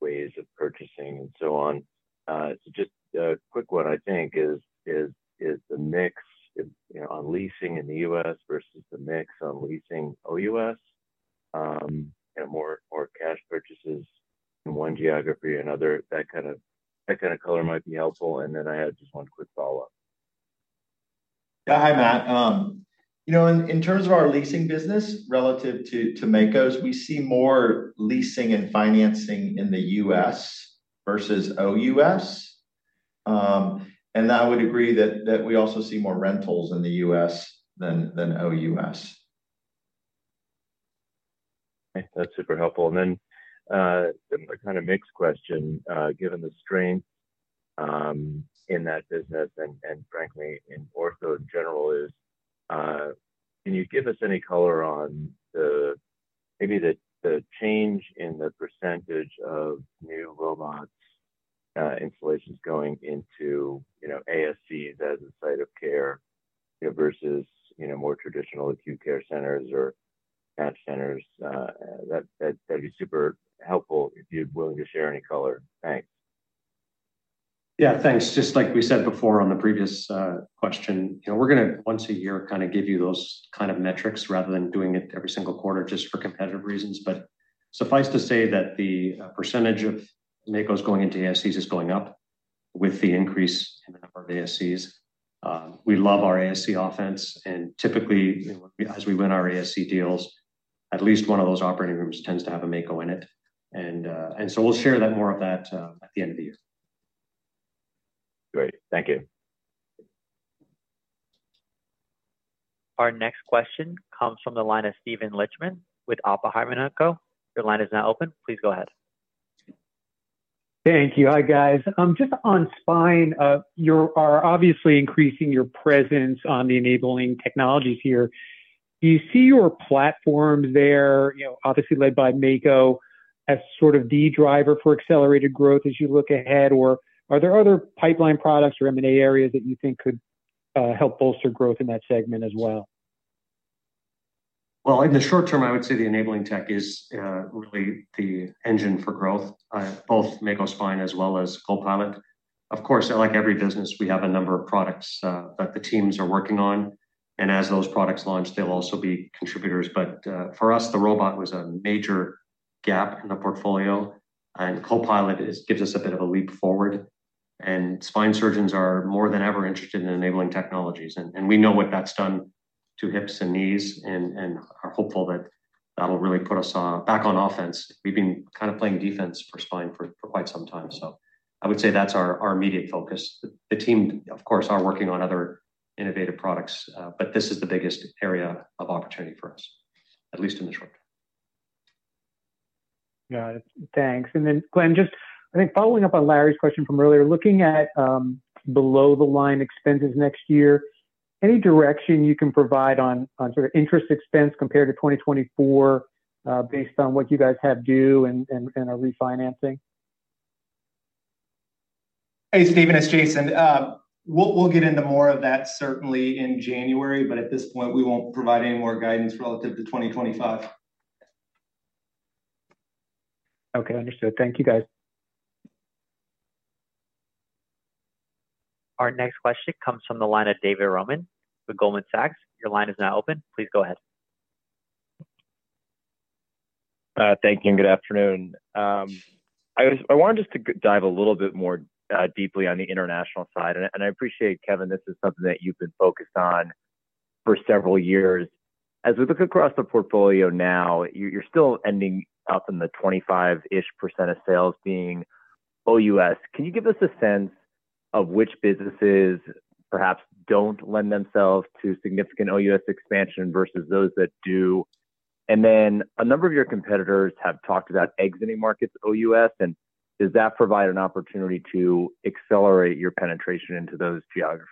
ways of purchasing and so on. So just a quick one, I think, is the mix on leasing in the U.S. versus the mix on leasing OUS, more cash purchases in one geography, another, that kind of color might be helpful. And then I had just one quick follow-up. Yeah. Hi, Matt. In terms of our leasing business relative to Mako's, we see more leasing and financing in the U.S. versus OUS, and I would agree that we also see more rentals in the U.S. than OUS. Okay. That's super helpful. And then a kind of mixed question, given the strength in that business and frankly in ortho in general is, can you give us any color on maybe the change in the percentage of new robots installations going into ASCs as a site of care versus more traditional acute care centers or Mako centers? That'd be super helpful if you'd be willing to share any color. Thanks. Yeah. Thanks. Just like we said before on the previous question, we're going to once a year kind of give you those kind of metrics rather than doing it every single quarter just for competitive reasons. But suffice to say that the percentage of Makos going into ASCs is going up with the increase in the number of ASCs. We love our ASC offense. And typically, as we win our ASC deals, at least one of those operating rooms tends to have a Mako in it. And so we'll share more of that at the end of the year. Great. Thank you. Our next question comes from the line of Steven Lichtman with Oppenheimer & Co. Your line is now open. Please go ahead. Thank you. Hi, guys. Just on Spine, you are obviously increasing your presence on the enabling technologies here. Do you see your platforms there, obviously led by Mako, as sort of the driver for accelerated growth as you look ahead? Or are there other pipeline products or M&A areas that you think could help bolster growth in that segment as well? In the short term, I would say the enabling tech is really the engine for growth, both Mako Spine as well as Copilot. Of course, like every business, we have a number of products that the teams are working on. And as those products launch, they'll also be contributors. But for us, the robot was a major gap in the portfolio. And Copilot gives us a bit of a leap forward. And Spine surgeons are more than ever interested in enabling technologies. And we know what that's done to Hips and Knees and are hopeful that that'll really put us back on offense. We've been kind of playing defense for Spine for quite some time. So I would say that's our immediate focus. The team, of course, are working on other innovative products, but this is the biggest area of opportunity for us, at least in the short term. Got it. Thanks. And then, Glenn, just I think following up on Larry's question from earlier, looking at below-the-line expenses next year, any direction you can provide on sort of interest expense compared to 2024 based on what you guys have due and are refinancing? Hey, Steven, it's Jason. We'll get into more of that certainly in January, but at this point, we won't provide any more guidance relative to 2025. Okay. Understood. Thank you, guys. Our next question comes from the line of David Roman with Goldman Sachs. Your line is now open. Please go ahead. Thank you. And good afternoon. I wanted just to dive a little bit more deeply on the international side. And I appreciate, Kevin, this is something that you've been focused on for several years. As we look across the portfolio now, you're still ending up in the 25-ish% of sales being OUS. Can you give us a sense of which businesses perhaps don't lend themselves to significant OUS expansion versus those that do? And then a number of your competitors have talked about exiting markets OUS. And does that provide an opportunity to accelerate your penetration into those geographies?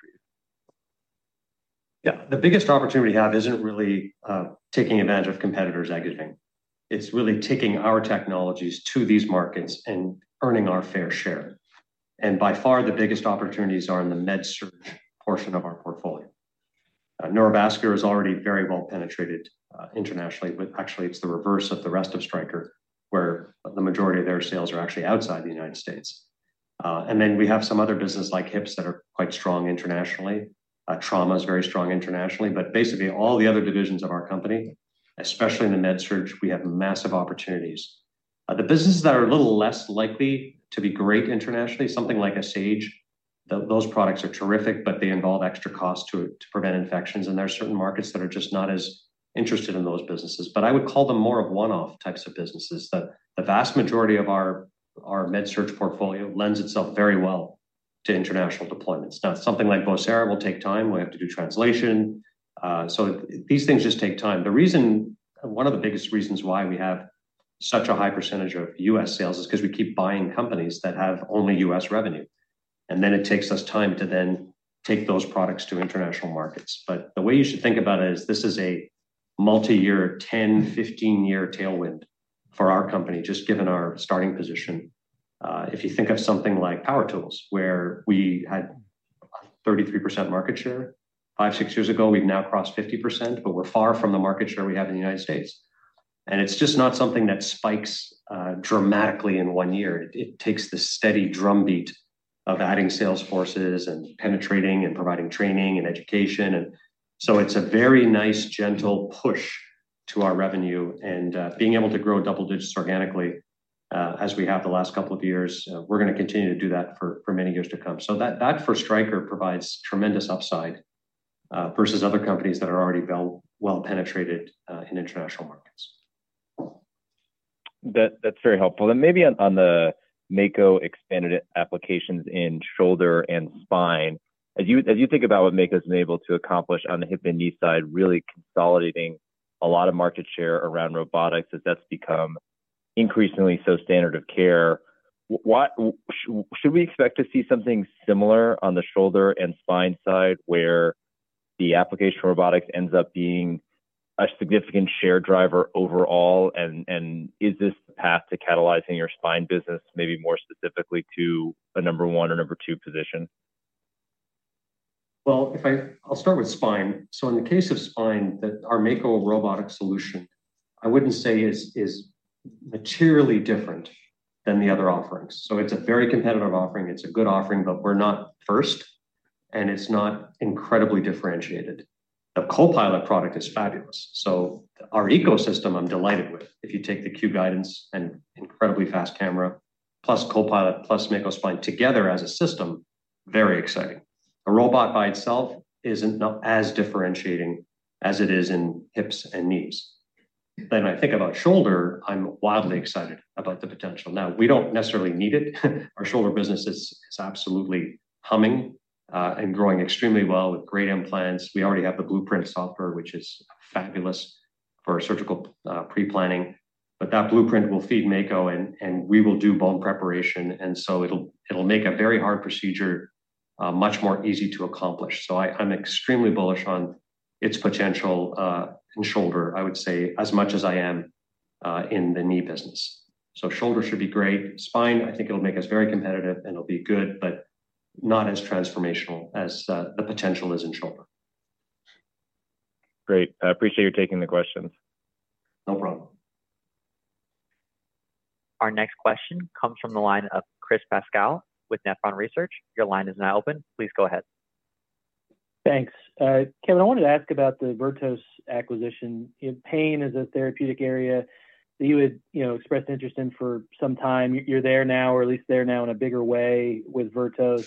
Yeah. The biggest opportunity we have isn't really taking advantage of competitors exiting. It's really taking our technologies to these markets and earning our fair share. And by far, the biggest opportunities are in the MedSurg portion of our portfolio. Neurovascular is already very well penetrated internationally, but actually, it's the reverse of the rest of Stryker, where the majority of their sales are actually outside the United States. And then we have some other businesses like Hips that are quite strong internationally. Trauma is very strong internationally. But basically, all the other divisions of our company, especially in the MedSurg, we have massive opportunities. The businesses that are a little less likely to be great internationally, something like a Sage, those products are terrific, but they involve extra costs to prevent infections. And there are certain markets that are just not as interested in those businesses. But I would call them more of one-off types of businesses. The vast majority of our MedSurg portfolio lends itself very well to international deployments. Now, something like Vocera will take time. We have to do translation. So these things just take time. One of the biggest reasons why we have such a high percentage of U.S. sales is because we keep buying companies that have only U.S. revenue. And then it takes us time to then take those products to international markets. But the way you should think about it is this is a multi-year, 10, 15-year tailwind for our company, just given our starting position. If you think of something Power Tools, where we had 33% market share five, six years ago, we've now crossed 50%, but we're far from the market share we have in the United States. And it's just not something that spikes dramatically in one year. It takes the steady drumbeat of adding sales forces and penetrating and providing training and education. And so it's a very nice, gentle push to our revenue. And being able to grow double digits organically as we have the last couple of years, we're going to continue to do that for many years to come. So that for Stryker provides tremendous upside versus other companies that are already well-penetrated in international markets. That's very helpful, and maybe on the Mako expanded Shoulder and Spine, as you think about what Mako has been able to accomplish on the Hip and Knee side, really consolidating a lot of market share around robotics as that's become increasingly so standard of care, should we expect to see something similar Shoulder and Spine side where the application robotics ends up being a significant share driver overall, and is this the path to catalyzing your Spine business, maybe more specifically to a number one or number two position? I'll start with Spine, so in the case of Spine, our Mako robotic solution. I wouldn't say is materially different than the other offerings, so it's a very competitive offering. It's a good offering, but we're not first, and it's not incredibly differentiated. The Copilot product is fabulous, so our ecosystem, I'm delighted with. If you take the Q Guidance and incredibly fast camera, plus Copilot, plus Mako Spine together as a system, very exciting. A robot by itself isn't as differentiating as it is in Hips and Knees, then I think about Shoulder. I'm wildly excited about the potential. Now, we don't necessarily need it. Our Shoulder business is absolutely humming and growing extremely well with great implants. We already have the Blueprint software, which is fabulous for surgical pre-planning, but that Blueprint will feed Mako, and we will do bone preparation. And so it'll make a very hard procedure much more easy to accomplish. So I'm extremely bullish on its potential in Shoulder, I would say, as much as I am in the Knee business. So Shoulder should be great. Spine, I think it'll make us very competitive, and it'll be good, but not as transformational as the potential is in Shoulder. Great. I appreciate your taking the questions. No problem. Our next question comes from the line of Chris Pasquale with Nephron Research. Your line is now open. Please go ahead. Thanks. Kevin, I wanted to ask about the Vertos acquisition. Pain is a therapeutic area that you had expressed interest in for some time. You're there now, or at least there now in a bigger way with Vertos. Can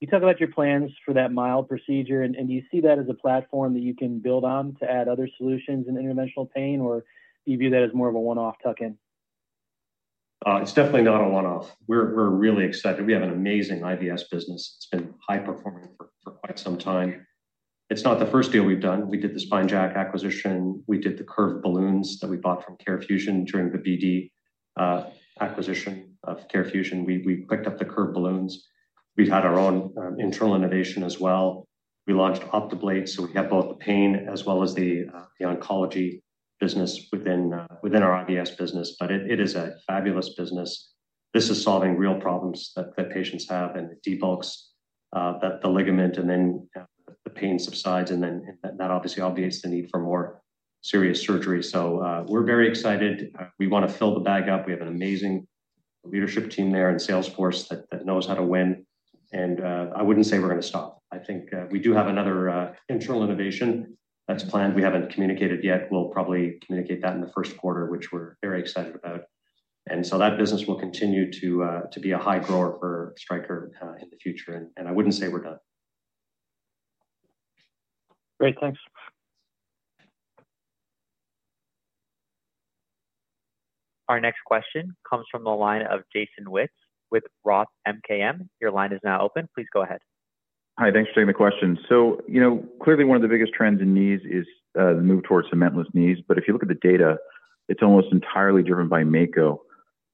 you talk about your plans for that mild procedure? And do you see that as a platform that you can build on to add other solutions in interventional pain, or do you view that as more of a one-off tuck-in? It's definitely not a one-off. We're really excited. We have an amazing IVS business. It's been high-performing for quite some time. It's not the first deal we've done. We did the SpineJack acquisition. We did the curved balloons that we bought from CareFusion during the BD acquisition of CareFusion. We picked up the curved balloons. We've had our own internal innovation as well. We launched OptaBlate. So we have both the pain as well as the oncology business within our IVS business. But it is a fabulous business. This is solving real problems that patients have and debulks the ligament, and then the pain subsides. And then that obviously obviates the need for more serious surgery. So we're very excited. We want to fill the bag up. We have an amazing leadership team there in our sales force that knows how to win. I wouldn't say we're going to stop. I think we do have another internal innovation that's planned. We haven't communicated yet. We'll probably communicate that in the first quarter, which we're very excited about. So that business will continue to be a high grower for Stryker in the future. I wouldn't say we're done. Great. Thanks. Our next question comes from the line of Jason Wittes with Roth MKM. Your line is now open. Please go ahead. Hi. Thanks for taking the question. So clearly, one of the biggest trends in Knees is the move towards cementless Knees. But if you look at the data, it's almost entirely driven by Mako.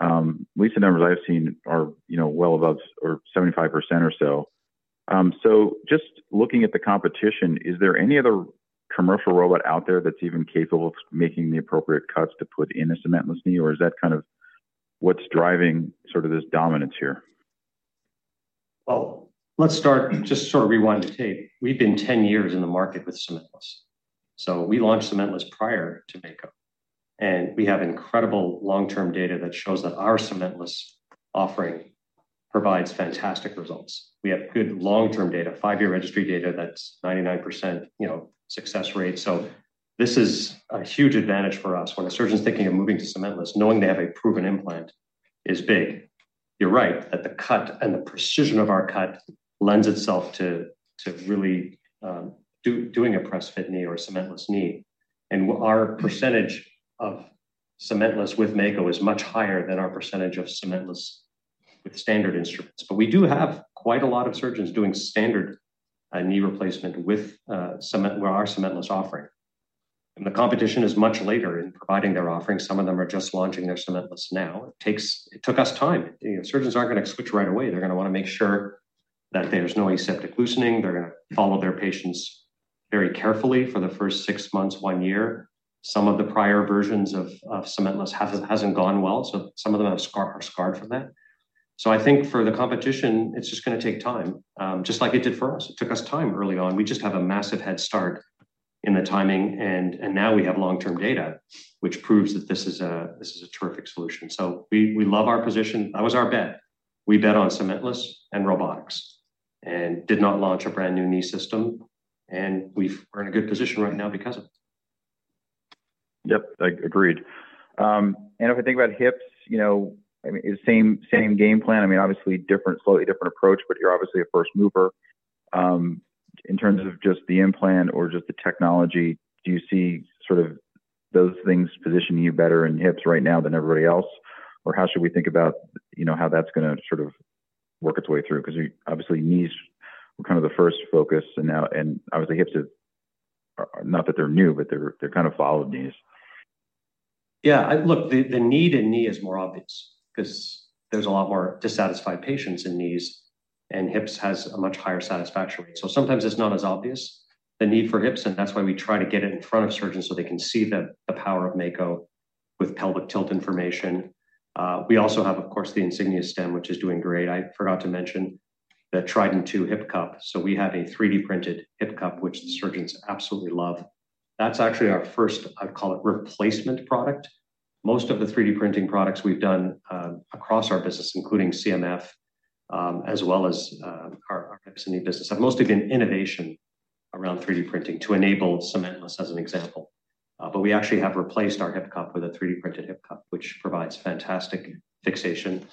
At least the numbers I've seen are well above or 75% or so. So just looking at the competition, is there any other commercial robot out there that's even capable of making the appropriate cuts to put in a cementless knee? Or is that kind of what's driving sort of this dominance here? Let's start just sort of rewind the tape. We've been 10 years in the market with cementless. We launched cementless prior to Mako. We have incredible long-term data that shows that our cementless offering provides fantastic results. We have good long-term data, five-year registry data that's 99% success rate. This is a huge advantage for us. When a surgeon's thinking of moving to cementless, knowing they have a proven implant is big. You're right that the cut and the precision of our cut lends itself to really doing a press-fit knee or a cementless knee. Our percentage of cementless with Mako is much higher than our percentage of cementless with standard instruments. We do have quite a lot of surgeons doing standard knee replacement with our cementless offering. The competition is much later in providing their offering. Some of them are just launching their cementless now. It took us time. Surgeons aren't going to switch right away. They're going to want to make sure that there's no aseptic loosening. They're going to follow their patients very carefully for the first six months, one year. Some of the prior versions of cementless haven't gone well. So some of them are scarred from that. So I think for the competition, it's just going to take time, just like it did for us. It took us time early on. We just have a massive head start in the timing. And now we have long-term data, which proves that this is a terrific solution. So we love our position. That was our bet. We bet on cementless and robotics and did not launch a brand new knee system. And we're in a good position right now because of it. Yep. Agreed. And if we think about Hips, same game plan. I mean, obviously, slightly different approach, but you're obviously a first mover in terms of just the implant or just the technology. Do you see sort of those things positioning you better in Hips right now than everybody else? Or how should we think about how that's going to sort of work its way through? Because obviously, Knees were kind of the first focus. And obviously, Hips are not that they're new, but they've kind of followed Knees. Yeah. Look, the need in knee is more obvious because there's a lot more dissatisfied patients in Knees. Hips have a much higher satisfaction rate. So sometimes it's not as obvious, the need for Hips. That's why we try to get it in front of surgeons so they can see the power of Mako with pelvic tilt information. We also have, of course, the Insignia stem, which is doing great. I forgot to mention the Trident II hip cup. So we have a 3D-printed hip cup, which the surgeons absolutely love. That's actually our first, I'd call it, replacement product. Most of the 3D-printing products we've done across our business, including CMF, as well as our Hips and Knee business, have mostly been innovation around 3D-printing to enable cementless as an example. But we actually have replaced our hip cup with a 3D-printed hip cup, which provides fantastic fixation.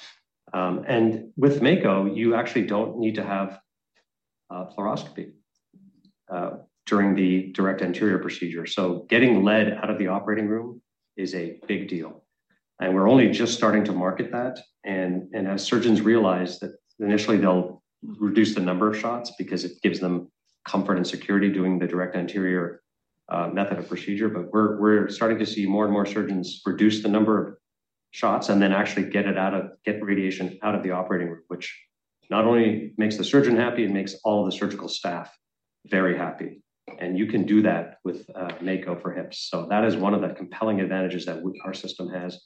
And with Mako, you actually don't need to have fluoroscopy during the direct anterior procedure. So getting lead out of the operating room is a big deal. And we're only just starting to market that. And as surgeons realize that initially, they'll reduce the number of shots because it gives them comfort and security doing the direct anterior method of procedure. But we're starting to see more and more surgeons reduce the number of shots and then actually get radiation out of the operating room, which not only makes the surgeon happy, it makes all of the surgical staff very happy. And you can do that with Mako for Hips. So that is one of the compelling advantages that our system has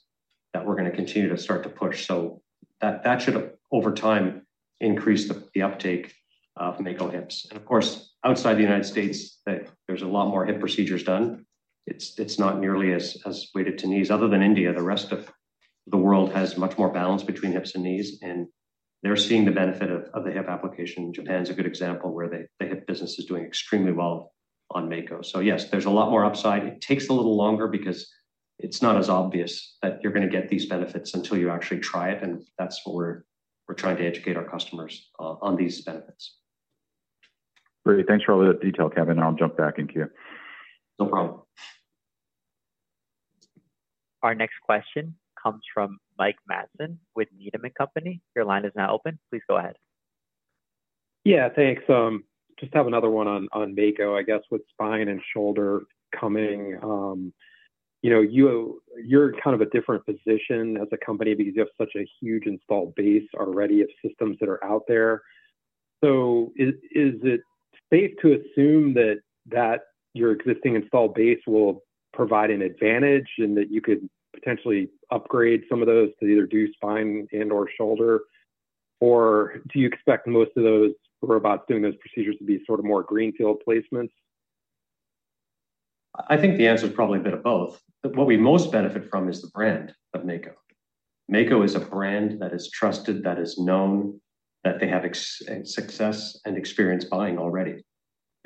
that we're going to continue to start to push. So that should, over time, increase the uptake of Mako Hips. And of course, outside the United States, there's a lot more hip procedures done. It's not nearly as weighted to Knees. Other than India, the rest of the world has much more balance between Hips and Knees. And they're seeing the benefit of the hip application. Japan is a good example where the Hip business is doing extremely well on Mako. So yes, there's a lot more upside. It takes a little longer because it's not as obvious that you're going to get these benefits until you actually try it. And that's what we're trying to educate our customers on these benefits. Great. Thanks for all the detail, Kevin. I'll jump back in here. No problem. Our next question comes from Mike Matson with Needham & Company. Your line is now open. Please go ahead. Yeah. Thanks. Just have another one on Mako, I guess, with Spine and Shoulder coming. You're kind of a different position as a company because you have such a huge installed base already of systems that are out there. So is it safe to assume that your existing installed base will provide an advantage and that you could potentially upgrade some of those to Spine and/or Shoulder? or do you expect most of those robots doing those procedures to be sort of more greenfield placements? I think the answer is probably a bit of both. What we most benefit from is the brand of Mako. Mako is a brand that is trusted, that is known, that they have success and experience buying already.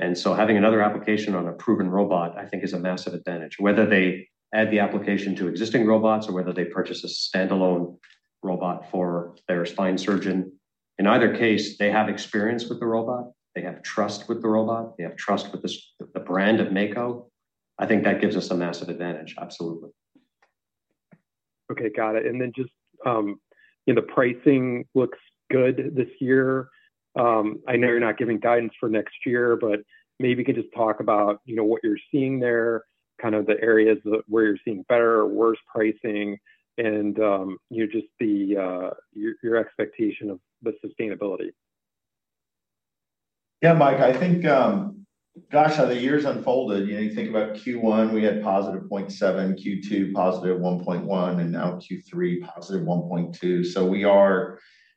And so having another application on a proven robot, I think, is a massive advantage. Whether they add the application to existing robots or whether they purchase a standalone robot for their Spine surgeon, in either case, they have experience with the robot. They have trust with the robot. They have trust with the brand of Mako. I think that gives us a massive advantage. Absolutely. Okay. Got it. And then just the pricing looks good this year. I know you're not giving guidance for next year, but maybe you can just talk about what you're seeing there, kind of the areas where you're seeing better or worse pricing, and just your expectation of the sustainability? Yeah, Mike, I think, gosh, how the years have unfolded. You think about Q1, we had positive 0.7%, Q2 positive 1.1%, and now Q3 positive 1.2%. So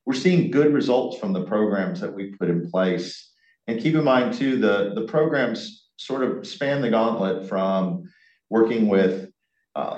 we're seeing good results from the programs that we've put in place. And keep in mind, too, the programs sort of run the gamut from working with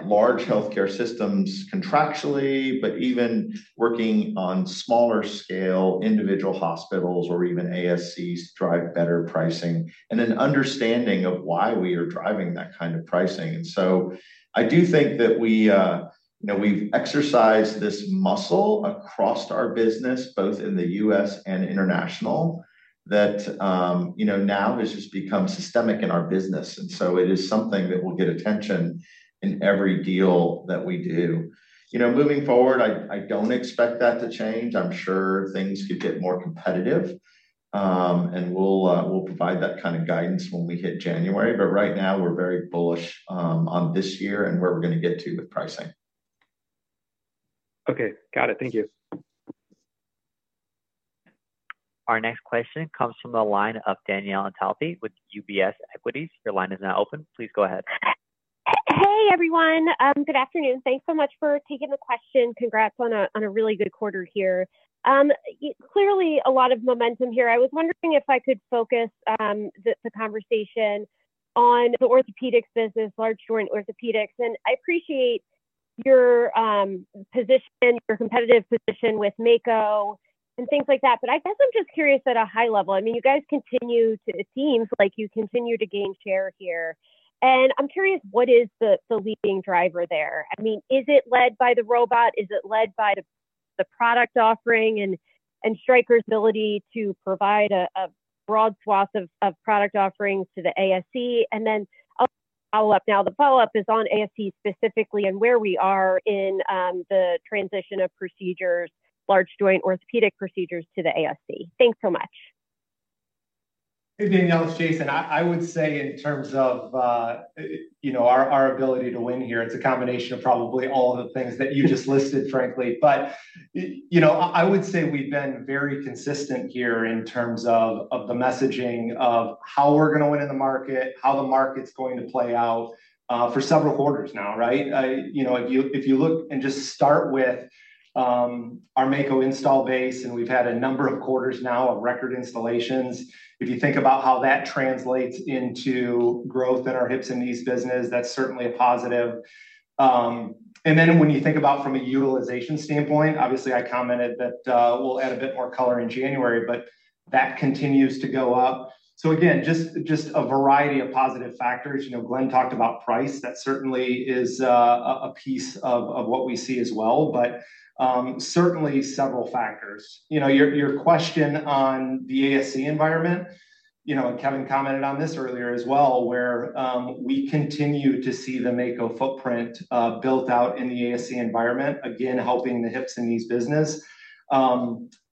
large healthcare systems contractually, but even working on smaller scale individual hospitals or even ASCs to drive better pricing, and then understanding of why we are driving that kind of pricing. And so I do think that we've exercised this muscle across our business, both in the U.S. and international, that now has just become systemic in our business. And so it is something that will get attention in every deal that we do. Moving forward, I don't expect that to change. I'm sure things could get more competitive. We'll provide that kind of guidance when we hit January. Right now, we're very bullish on this year and where we're going to get to with pricing. Okay. Got it. Thank you. Our next question comes from the line of Danielle Antalffy with UBS Equities. Your line is now open. Please go ahead. Hey, everyone. Good afternoon. Thanks so much for taking the question. Congrats on a really good quarter here. Clearly, a lot of momentum here. I was wondering if I could focus the conversation on orthopaedics business, large joint Orthopaedics. And I appreciate your position, your competitive position with Mako and things like that. But I guess I'm just curious at a high level. I mean, you guys continue to, it seems like you continue to gain share here. And I'm curious, what is the leading driver there? I mean, is it led by the robot? Is it led by the product offering and Stryker's ability to provide a broad swath of product offerings to the ASC? And then I'll follow up now. The follow-up is on ASC specifically and where we are in the transition of procedures, large joint Orthopaedics procedures to the ASC. Thanks so much. Hey, Danielle. It's Jason. I would say in terms of our ability to win here, it's a combination of probably all of the things that you just listed, frankly. But I would say we've been very consistent here in terms of the messaging of how we're going to win in the market, how the market's going to play out for several quarters now, right? If you look and just start with our Mako install base, and we've had a number of quarters now of record installations. If you think about how that translates into growth in our Hips and Knees business, that's certainly a positive. And then when you think about from a utilization standpoint, obviously, I commented that we'll add a bit more color in January, but that continues to go up. So again, just a variety of positive factors. Glenn talked about price. That certainly is a piece of what we see as well, but certainly several factors. Your question on the ASC environment, Kevin commented on this earlier as well, where we continue to see the Mako footprint built out in the ASC environment, again, helping the Hips and Knees business.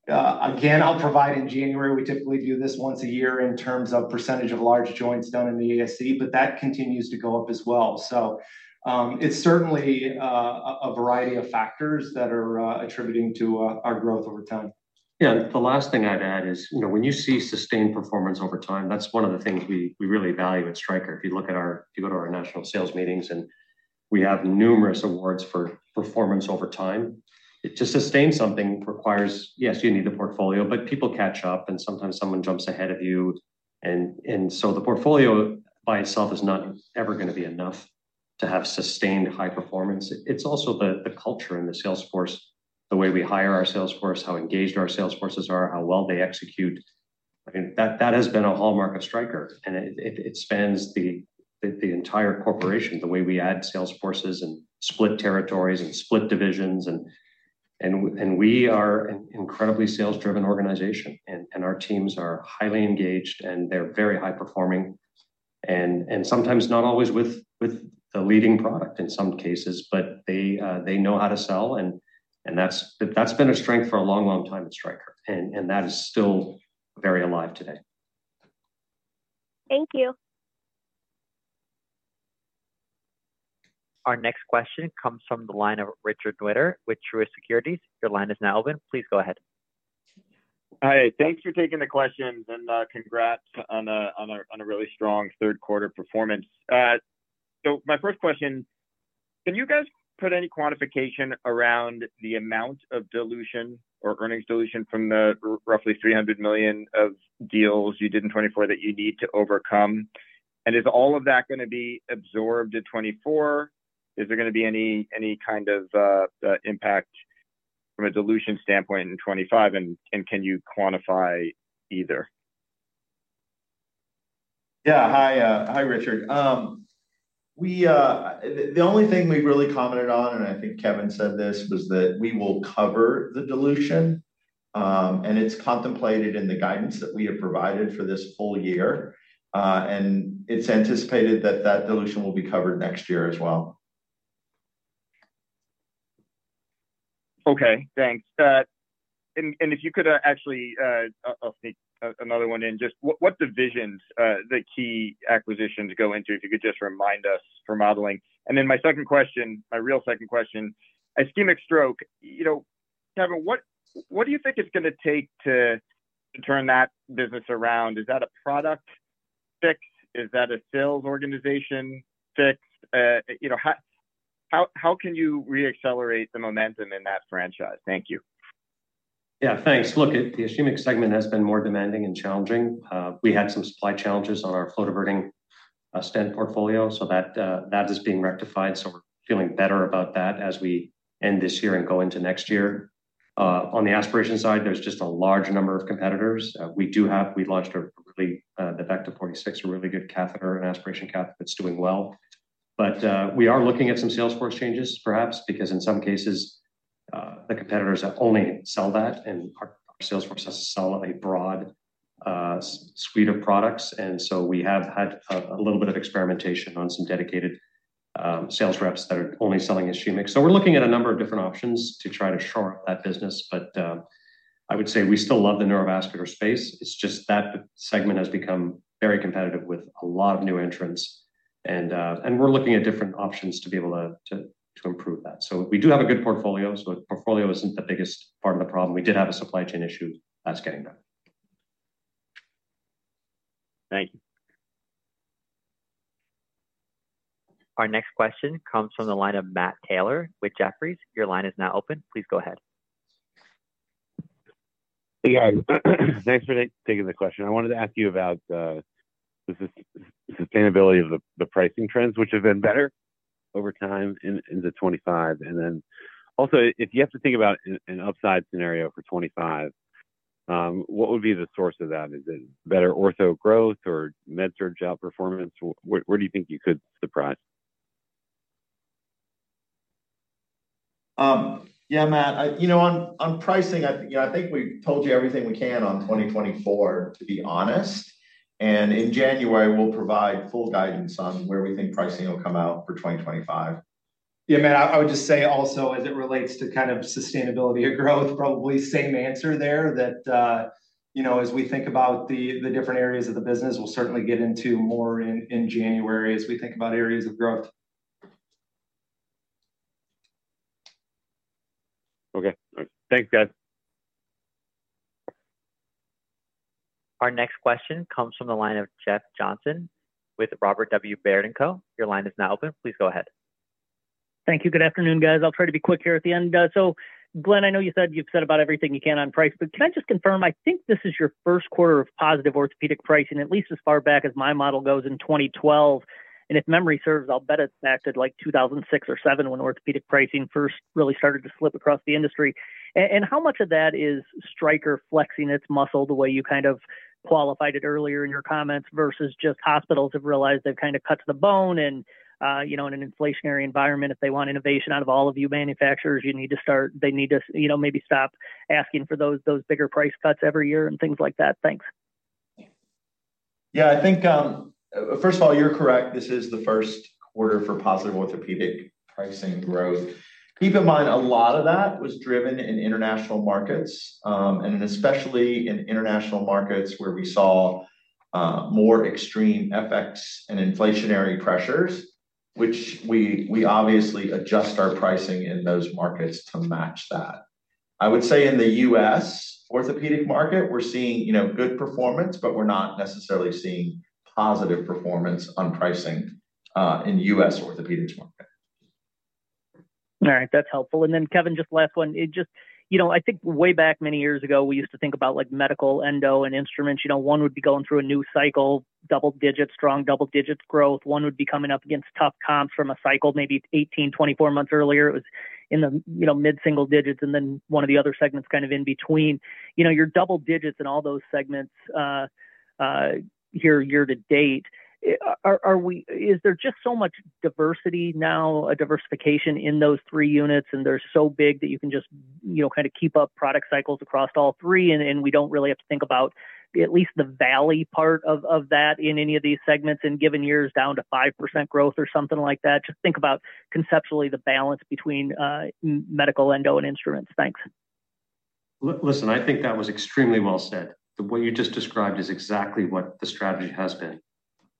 Again, I'll provide in January, we typically do this once a year in terms of percentage of large joints done in the ASC, but that continues to go up as well. So it's certainly a variety of factors that are attributing to our growth over time. Yeah. The last thing I'd add is when you see sustained performance over time, that's one of the things we really value at Stryker. If you look at our national sales meetings, and we have numerous awards for performance over time, to sustain something requires, yes, you need the portfolio, but people catch up, and sometimes someone jumps ahead of you, and so the portfolio by itself is not ever going to be enough to have sustained high performance. It's also the culture in the sales force, the way we hire our sales force, how engaged our sales forces are, how well they execute. I mean, that has been a hallmark of Stryker, and it spans the entire corporation, the way we add sales forces and split territories and split divisions, and we are an incredibly sales-driven organization, and our teams are highly engaged, and they're very high-performing, and sometimes not always with the leading product in some cases, but they know how to sell, and that's been a strength for a long, long time at Stryker. That is still very alive today. Thank you. Our next question comes from the line of Richard Newitter with Truist Securities. Your line is now open. Please go ahead. Hi. Thanks for taking the questions. And congrats on a really strong third-quarter performance. So my first question, can you guys put any quantification around the amount of dilution or earnings dilution from the roughly $300 million of deals you did in 2024 that you need to overcome? And is all of that going to be absorbed in 2024? Is there going to be any kind of impact from a dilution standpoint in 2025? And can you quantify either? Yeah. Hi, Richard. The only thing we've really commented on, and I think Kevin said this, was that we will cover the dilution. And it's contemplated in the guidance that we have provided for this full year. And it's anticipated that that dilution will be covered next year as well. Okay. Thanks. And if you could, actually, I'll sneak another one in. Just what divisions the key acquisitions go into? If you could just remind us for modeling. And then my second question, my real second question on ischemic stroke, Kevin, what do you think it's going to take to turn that business around? Is that a product fix? Is that a sales organization fix? How can you reaccelerate the momentum in that franchise? Thank you. Yeah. Thanks. Look, ischemic segment has been more demanding and challenging. We had some supply challenges on our flow-diverting stent portfolio. So that is being rectified. So we're feeling better about that as we end this year and go into next year. On the aspiration side, there's just a large number of competitors. We launched a really the Vecta 46, a really good aspiration catheter that's doing well. But we are looking at some sales force changes, perhaps, because in some cases, the competitors only sell that. And our sales force has a solidly broad suite of products. And so we have had a little bit of experimentation on some dedicated sales reps that are selling ischemic. so we're looking at a number of different options to try to shore up that business. But I would say we still love the neurovascular space. It's just that segment has become very competitive with a lot of new entrants. And we're looking at different options to be able to improve that. So we do have a good portfolio. So the portfolio isn't the biggest part of the problem. We did have a supply chain issue. That's getting done. Thank you. Our next question comes from the line of Matt Taylor with Jefferies. Your line is now open. Please go ahead. Thanks for taking the question. I wanted to ask you about the sustainability of the pricing trends, which have been better over time into 2025. And then also, if you have to think about an upside scenario for 2025, what would be the source of that? Is it better ortho growth or MedSurg outperformance? Where do you think you could surprise? Yeah, Matt. On pricing, I think we've told you everything we can on 2024, to be honest. And in January, we'll provide full guidance on where we think pricing will come out for 2025. Yeah, Matt. I would just say also, as it relates to kind of sustainability or growth, probably same answer there that as we think about the different areas of the business, we'll certainly get into more in January as we think about areas of growth. Okay. Thanks, guys. Our next question comes from the line of Jeff Johnson with Robert W. Baird & Co. Your line is now open. Please go ahead. Thank you. Good afternoon, guys. I'll try to be quick here at the end. So Glenn, I know you've said about everything you can on price, but can I just confirm? I think this is your first quarter of positive orthopedic pricing, at least as far back as my model goes in 2012. And if memory serves, I'll bet it's back to like 2006 or 2007 when orthopedic pricing first really started to slip across the industry. And how much of that is Stryker flexing its muscle the way you kind of qualified it earlier in your comments versus just hospitals have realized they've kind of cut to the bone? And in an inflationary environment, if they want innovation out of all of you manufacturers, you need to start, they need to maybe stop asking for those bigger price cuts every year and things like that. Thanks. Yeah. I think, first of all, you're correct. This is the first quarter for positive orthopedic pricing growth. Keep in mind, a lot of that was driven in international markets, and especially in international markets where we saw more extreme effects and inflationary pressures, which we obviously adjust our pricing in those markets to match that. I would say in the U.S. orthopedic market, we're seeing good performance, but we're not necessarily seeing positive performance on pricing in U.S. orthopaedics market. All right. That's helpful, and then, Kevin, just last one. I think way back many years ago, we used to think about MedSurg, Endoscopy, and Instruments. One would be going through a new cycle, double digits, strong double digits growth. One would be coming up against tough comps from a cycle maybe 18, 24 months earlier. It was in the mid-single digits, and then one of the other segments kind of in between. Your double digits in all those segments here year to date, is there just so much diversity now, a diversification in those three units, and they're so big that you can just kind of keep up product cycles across all three, and we don't really have to think about at least the valley part of that in any of these segments and given years down to 5% growth or something like that? Just think about conceptually the balance between Medical, Endo, and Instruments. Thanks. Listen, I think that was extremely well said. What you just described is exactly what the strategy has been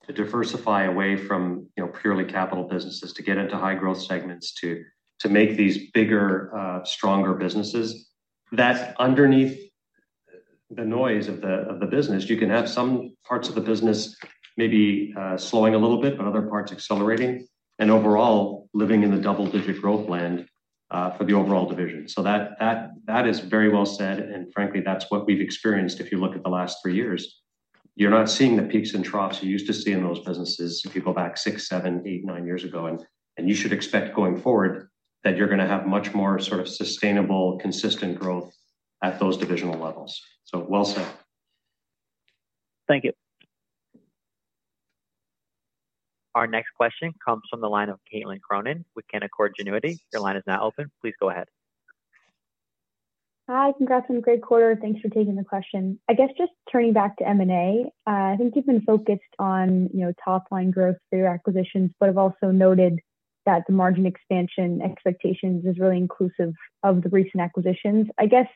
to diversify away from purely capital businesses to get into high-growth segments to make these bigger, stronger businesses. That's underneath the noise of the business. You can have some parts of the business maybe slowing a little bit, but other parts accelerating, and overall living in the double-digit growth land for the overall division. So that is very well said. And frankly, that's what we've experienced if you look at the last three years. You're not seeing the peaks and troughs you used to see in those businesses people back six, seven, eight, nine years ago. And you should expect going forward that you're going to have much more sort of sustainable, consistent growth at those divisional levels. So well said. Thank you. Our next question comes from the line of Caitlin Cronin with Canaccord Genuity. Your line is now open. Please go ahead. Hi. Congrats on the great quarter. Thanks for taking the question. I guess just turning back to M&A, I think you've been focused on top-line growth for your acquisitions, but have also noted that the margin expansion expectations is really inclusive of the recent acquisitions. I guess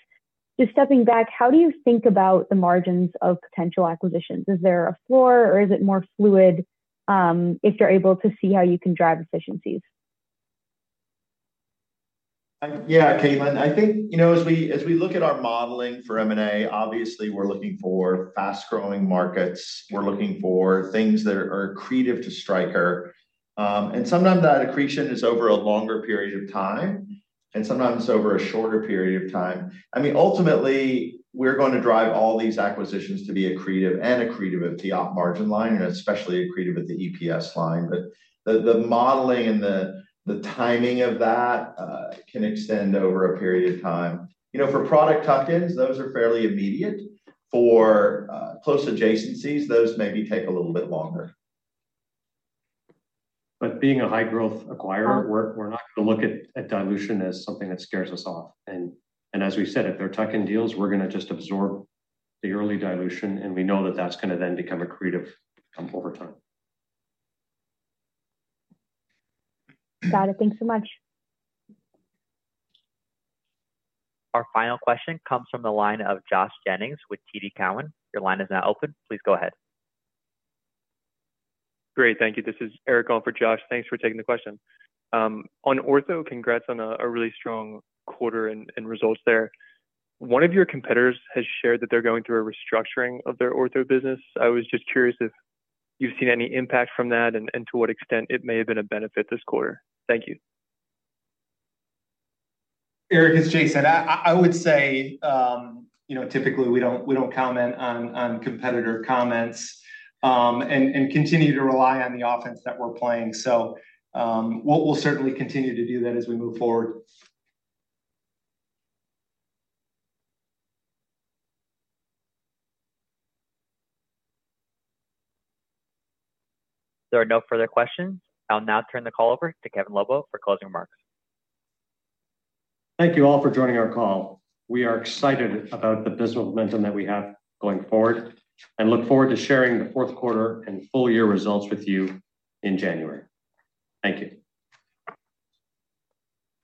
just stepping back, how do you think about the margins of potential acquisitions? Is there a floor, or is it more fluid if you're able to see how you can drive efficiencies? Yeah, Caitlin. I think as we look at our modeling for M&A, obviously, we're looking for fast-growing markets. We're looking for things that are accretive to Stryker, and sometimes that accretion is over a longer period of time, and sometimes it's over a shorter period of time. I mean, ultimately, we're going to drive all these acquisitions to be accretive and accretive at the margin line, and especially accretive at the EPS line, but the modeling and the timing of that can extend over a period of time. For product tuck-ins, those are fairly immediate. For close adjacencies, those maybe take a little bit longer, but being a high-growth acquirer, we're not going to look at dilution as something that scares us off, and as we said, if they're tuck-in deals, we're going to just absorb the early dilution. We know that that's going to then become accretive over time. Got it. Thanks so much. Our final question comes from the line of Josh Jennings with TD Cowen. Your line is now open. Please go ahead. Great. Thank you. This is Eric calling for Josh. Thanks for taking the question. On ortho, congrats on a really strong quarter and results there. One of your competitors has shared that they're going through a restructuring of their ortho business. I was just curious if you've seen any impact from that and to what extent it may have been a benefit this quarter. Thank you. Eric, as Jason said, I would say typically we don't comment on competitor comments and continue to rely on the offense that we're playing. So we'll certainly continue to do that as we move forward. There are no further questions. I'll now turn the call over to Kevin Lobo for closing remarks. Thank you all for joining our call. We are excited about the business momentum that we have going forward and look forward to sharing the fourth quarter and full-year results with you in January. Thank you.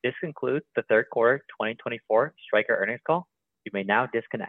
This concludes the third quarter 2024 Stryker earnings call. You may now disconnect.